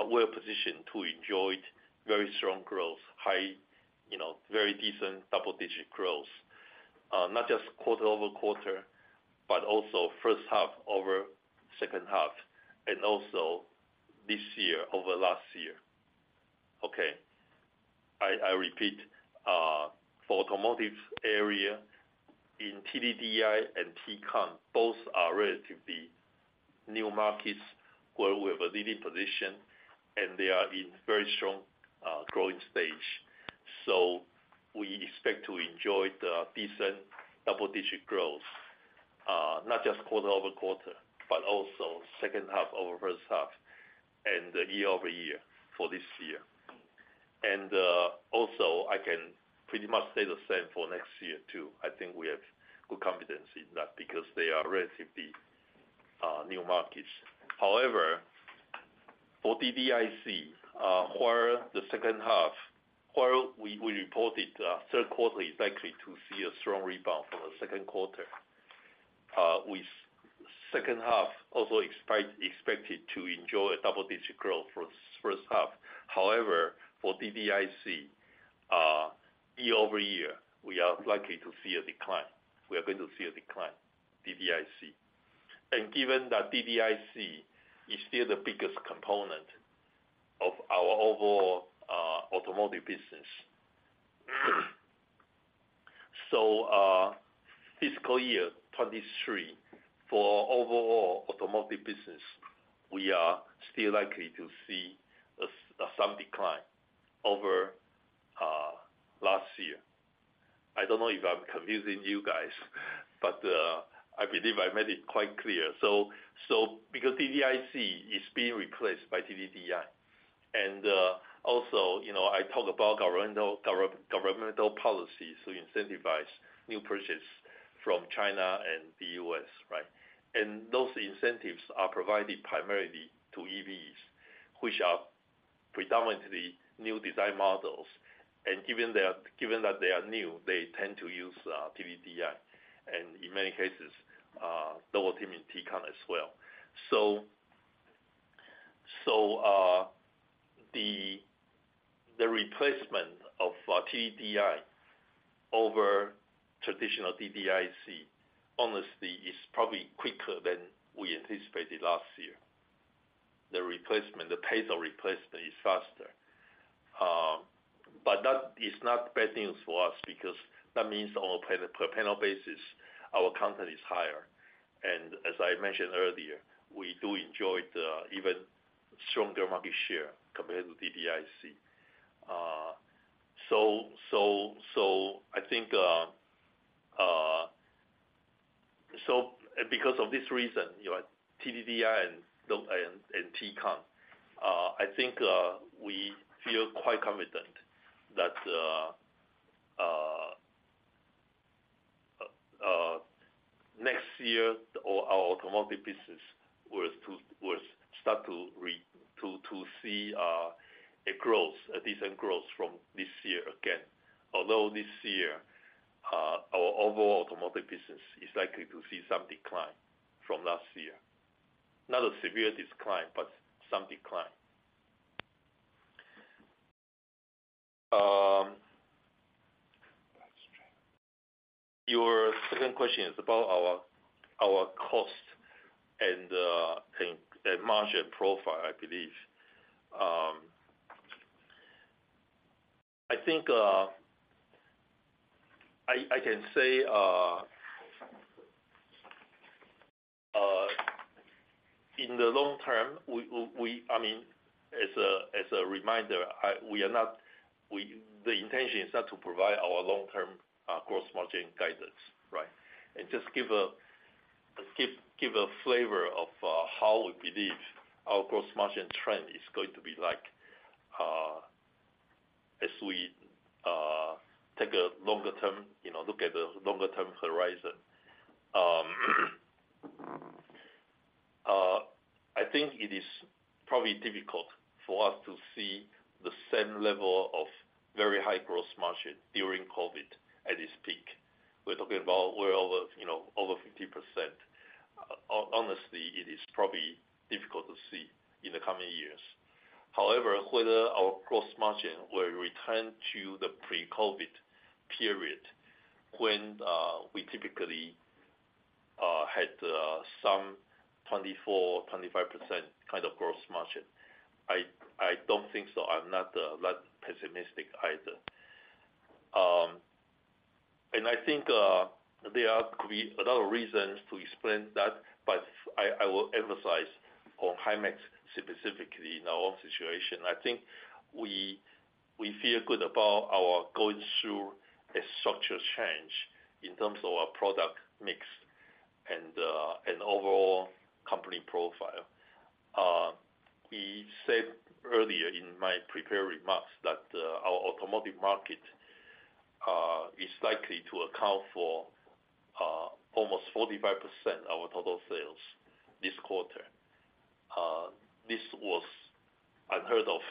well positioned to enjoy very strong growth, high, you know, very decent double-digit growth. Not just quarter-over-quarter, but also first half over second half, and also this year over last year. Okay. I repeat, for automotive area in TDDI and TCON, both are relatively new markets where we have a leading position, they are in very strong growing stage. We expect to enjoy the decent double-digit growth, not just quarter-over-quarter, but also second half over first half and year-over-year for this year. Also, I can pretty much say the same for next year, too. I think we have good confidence in that because they are relatively new markets. However, for DDIC, where the second half, where we, we reported, third quarter is likely to see a strong rebound from the second quarter. With second half also expect-expected to enjoy a double-digit growth from first half. However, for DDIC, year-over-year, we are likely to see a decline. We are going to see a decline, DDIC. Given that DDIC is still the biggest component of our overall automotive business, fiscal year 2023 for overall automotive business, we are still likely to see a some decline over last year. I don't know if I'm convincing you guys, but I believe I made it quite clear. Because DDIC is being replaced by TDDI, and also, you know, I talked about governmental policies to incentivize new purchase from China and the U.S., right? Those incentives are provided primarily to EVs, which are predominantly new design models. Given that, given that they are new, they tend to use TDDI and in many cases, double team in TCON as well. The replacement of TDDI over traditional DDIC, honestly, is probably quicker than we anticipated last year. The replacement, the pace of replacement is faster. But that is not bad news for us, because that means on a per panel basis, our content is higher. And as I mentioned earlier, we do enjoy the even stronger market share compared with DDIC. So I think, so because of this reason, you know, TDDI and the TCON, I think, we feel quite confident that next year, our automotive business will start to see a growth, a decent growth from this year again. Although this year, our overall automotive business is likely to see some decline from last year. Not a severe decline, but some decline. Your second question is about our, our cost and, and margin profile, I believe. I think I can say in the long term, we, I mean, as a, as a reminder, I, we are not, the intention is not to provide our long-term gross margin guidance, right? Just give a flavor of how we believe our gross margin trend is going to be like as we take a longer term, you know, look at the longer-term horizon. I think it is probably difficult for us to see the same level of very high gross margin during COVID at its peak. We're talking about well over, you know, over 50%. Honestly, it is probably difficult to see in the coming years. However, whether our gross margin will return to the pre-COVID period, when we typically had some 24%-25% kind of gross margin. I, I don't think so. I'm not that pessimistic either. I think there are could be a lot of reasons to explain that, but I, I will emphasize on Himax specifically in our own situation. I think we, we feel good about our going through a structural change in terms of our product mix and overall company profile. We said earlier in my prepared remarks that our automotive market is likely to account for almost 45% of our total sales this quarter. This was unheard of,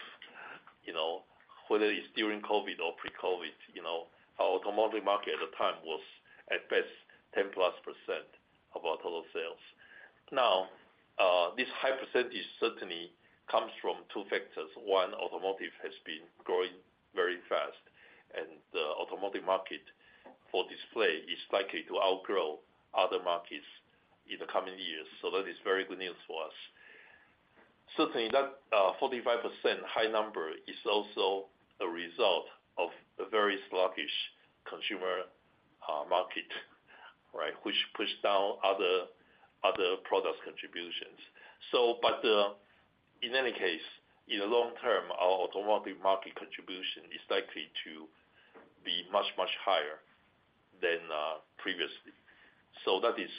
you know, whether it's during COVID or pre-COVID. You know, our automotive market at the time was at best 10+% of our total sales. This high percentage certainly comes from two factors. One, automotive has been growing very fast, and the automotive market for display is likely to outgrow other markets in the coming years. That is very good news for us. Certainly, that 45% high number is also a result of a very sluggish consumer market, right? Which pushed down other, other product contributions. But, in any case, in the long term, our automotive market contribution is likely to be much, much higher than previously. That is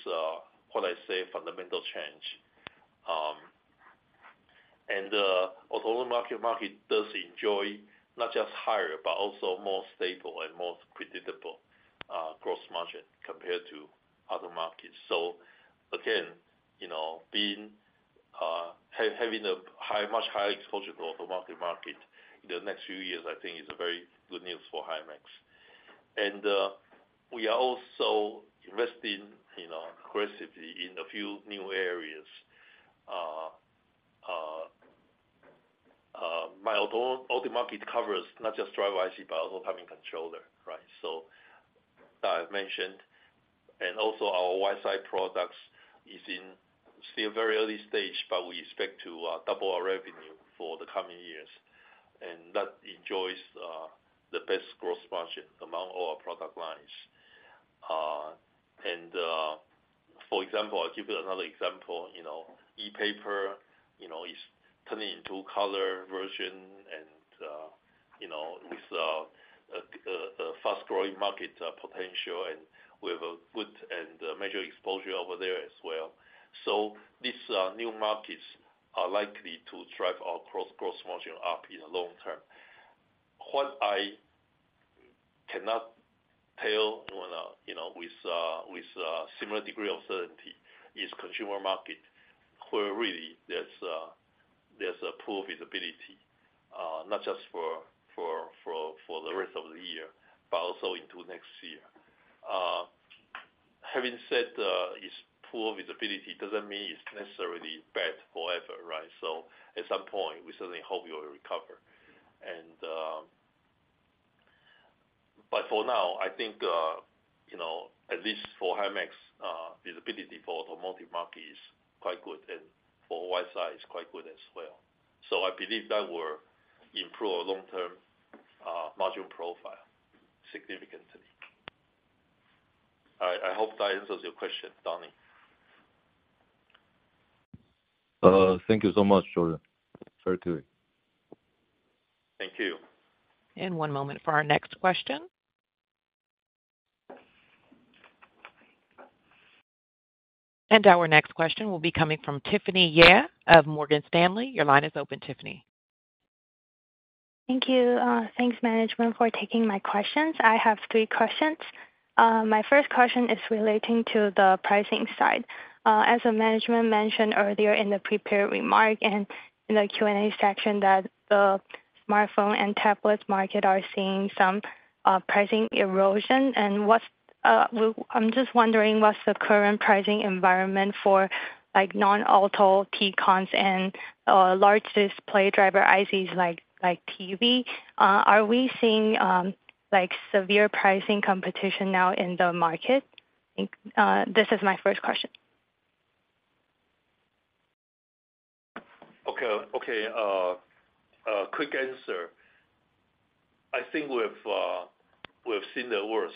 what I say, fundamental change. Although the market does enjoy not just higher, but also more stable and more predictable gross margin compared to other markets. Again, you know, being, having a high, much higher exposure to automotive market in the next few years, I think is a very good news for Himax. We are also investing, you know, aggressively in a few new areas. My auto market covers not just driver IC, but also timing controller, right? I've mentioned, and also our Wi-Fi products is in still very early stage, but we expect to double our revenue for the coming years, and that enjoys the best gross margin among all our product lines. For example, I'll give you another example. You know, e-paper, you know, is turning into color version and, you know, with a fast-growing market potential, and we have a good and major exposure over there as well. These new markets are likely to drive our cross-gross margin up in the long term. What I cannot tell when, you know, with, with, similar degree of certainty is consumer market, where really there's, there's a poor visibility, not just for, for, for, for the rest of the year, but also into next year. Having said, it's poor visibility doesn't mean it's necessarily bad forever, right? At some point, we certainly hope it will recover. But for now, I think, you know, at least for Himax, visibility for automotive market is quite good and for Wi-Fi is quite good as well. I believe that will improve our long-term margin profile significantly. All right. I hope that answers your question, Donnie. thank you so much, Jordan. Sorry to. Thank you. One moment for our next question. Our next question will be coming from Tiffany Yeh of Morgan Stanley. Your line is open, Tiffany. Thank you. Thanks, management, for taking my questions. I have three questions. My first question is relating to the pricing side. As the management mentioned earlier in the prepared remark and in the Q&A section, that the smartphone and tablets market are seeing some pricing erosion. I'm just wondering, what's the current pricing environment for, like, non-auto TCONs and large display driver ICs like, like TV? Are we seeing, like, severe pricing competition now in the market? This is my first question. Okay. Okay, quick answer. I think we've, we've seen the worst,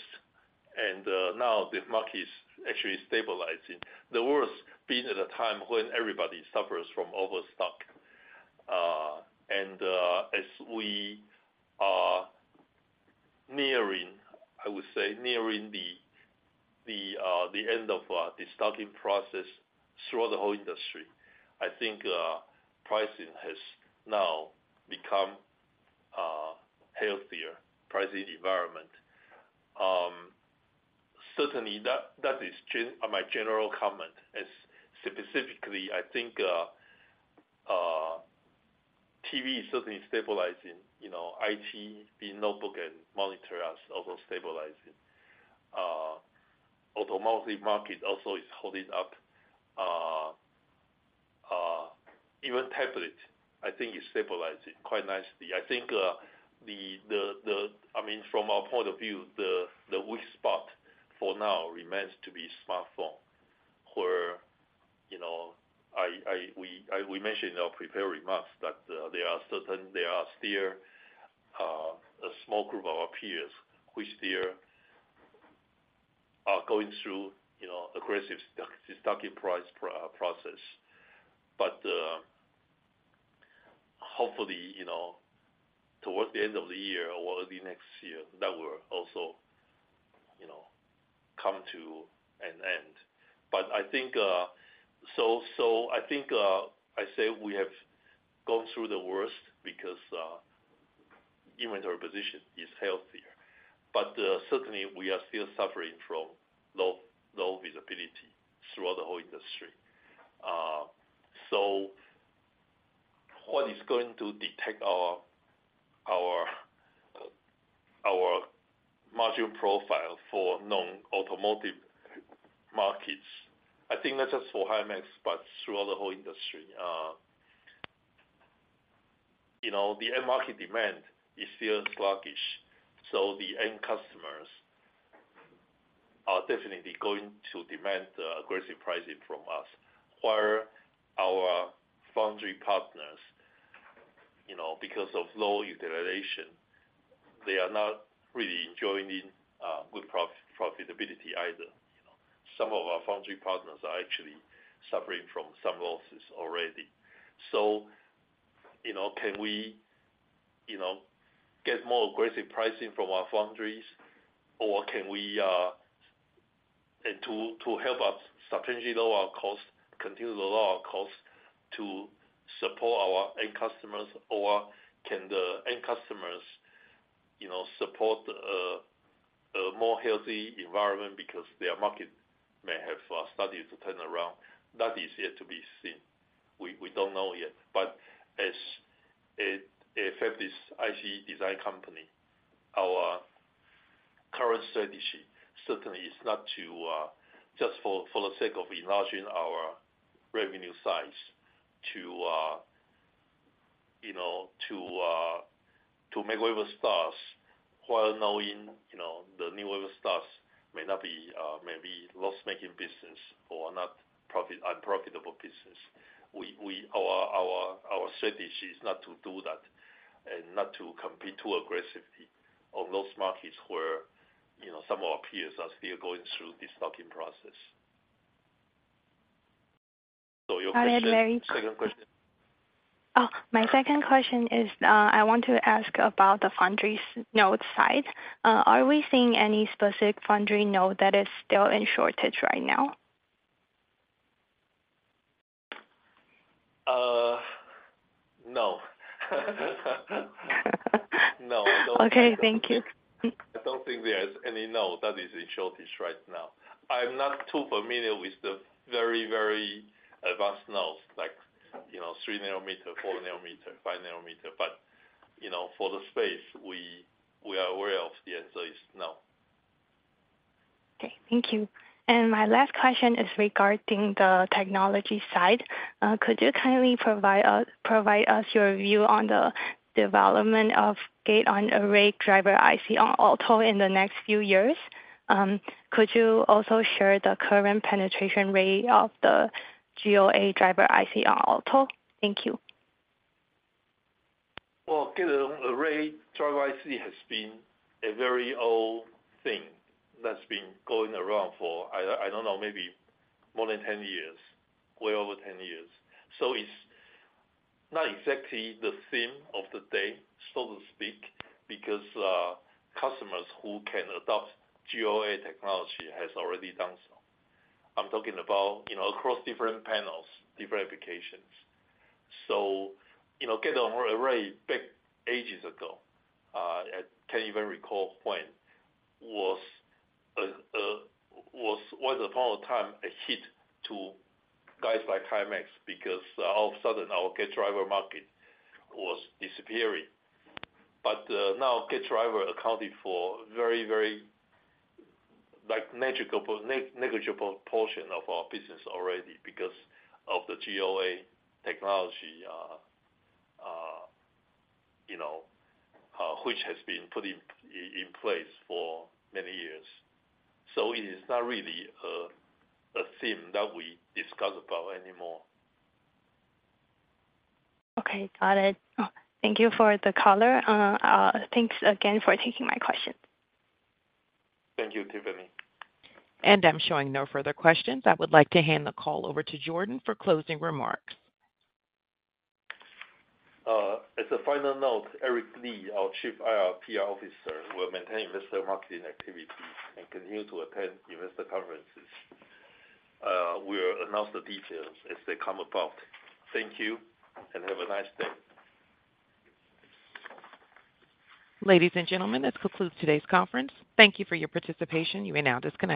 and now the market is actually stabilizing. The worst being at a time when everybody suffers from overstock. As we are nearing, I would say, nearing the, the end of the stocking process throughout the whole industry, I think pricing has now become a healthier pricing environment. Certainly that, that is my general comment. As specifically, I think TV is certainly stabilizing, you know, IT, the notebook and monitor are also stabilizing. Automotive market also is holding up. Even tablet, I think it's stabilizing quite nicely. I think, I mean, from our point of view, the weak spot for now remains to be smartphone, where, you know, we mentioned in our prepared remarks that there are certain, there are still a small group of our peers which they are going through, you know, aggressive stocking price process. Hopefully, you know, towards the end of the year or the next year, that will also, you know, come to an end. I think, I say we have gone through the worst because even our position is healthier. Certainly we are still suffering from low, low visibility throughout the whole industry. What is going to detect our, our, our margin profile for non-automotive markets? I think that's just for Himax, but throughout the whole industry. You know, the end market demand is still sluggish, so the end customers are definitely going to demand aggressive pricing from us. While our foundry partners, you know, because of low utilization, they are not really enjoying the good profitability either. You know, some of our foundry partners are actually suffering from some losses already. You know, can we, you know, get more aggressive pricing from our foundries, or can we, to help us substantially lower our cost, continue to lower our cost, to support our end customers, or can the end customers, you know, support a more healthy environment because their market may have started to turn around? That is yet to be seen. We, we don't know yet. As a, a fabless IC design company, our current strategy certainly is not to, just for, for the sake of enlarging our revenue size to, you know to make wafers stars, while knowing, you know, the new wafers may not be, may be loss-making business or not profit, unprofitable business. We our strategy is not to do that and not to compete too aggressively on those markets where, you know, some of our peers are still going through this stocking process. So your question Got it. Second question. Oh, my second question is, I want to ask about the foundry's node side. Are we seeing any specific foundry node that is still in shortage right now? No. No. Okay, thank you. I don't think there is any node that is in shortage right now. I'm not too familiar with the very, very advanced nodes, like, you know, three nanometer, four nanometer, five nanometer. You know, for the space we, we are aware of, the answer is no. Okay, thank you. My last question is regarding the technology side. Could you kindly provide us, provide us your view on the development of Gate on Array driver IC on auto in the next few years? Could you also share the current penetration rate of the GOA driver IC on auto? Thank you. Well, Gate on Array driver IC has been a very old thing that's been going around for I don't know, maybe more than 10 years, way over 10 years. It's not exactly the theme of the day, so to speak, because customers who can adopt GOA technology has already done so. I'm talking about, you know, across different panels, different applications. You know, Gate on Array, back ages ago, I can't even recall when, was upon a time, a hit to guys like Himax, because all of a sudden, our gate driver market was disappearing. Now gate driver accounted for very, very, like negligible, negligible portion of our business already because of the GOA technology, you know, which has been put in place for many years. It is not really a theme that we discuss about anymore. Okay, got it. Oh, thank you for the color. Thanks again for taking my questions. Thank you, Tiffany. I'm showing no further questions. I would like to hand the call over to Jordan for closing remarks. As a final note, Eric Li, our Chief IR Officer, will maintain investor marketing activities and continue to attend investor conferences. We'll announce the details as they come about. Thank you, and have a nice day. Ladies and gentlemen, this concludes today's conference. Thank you for your participation. You may now disconnect.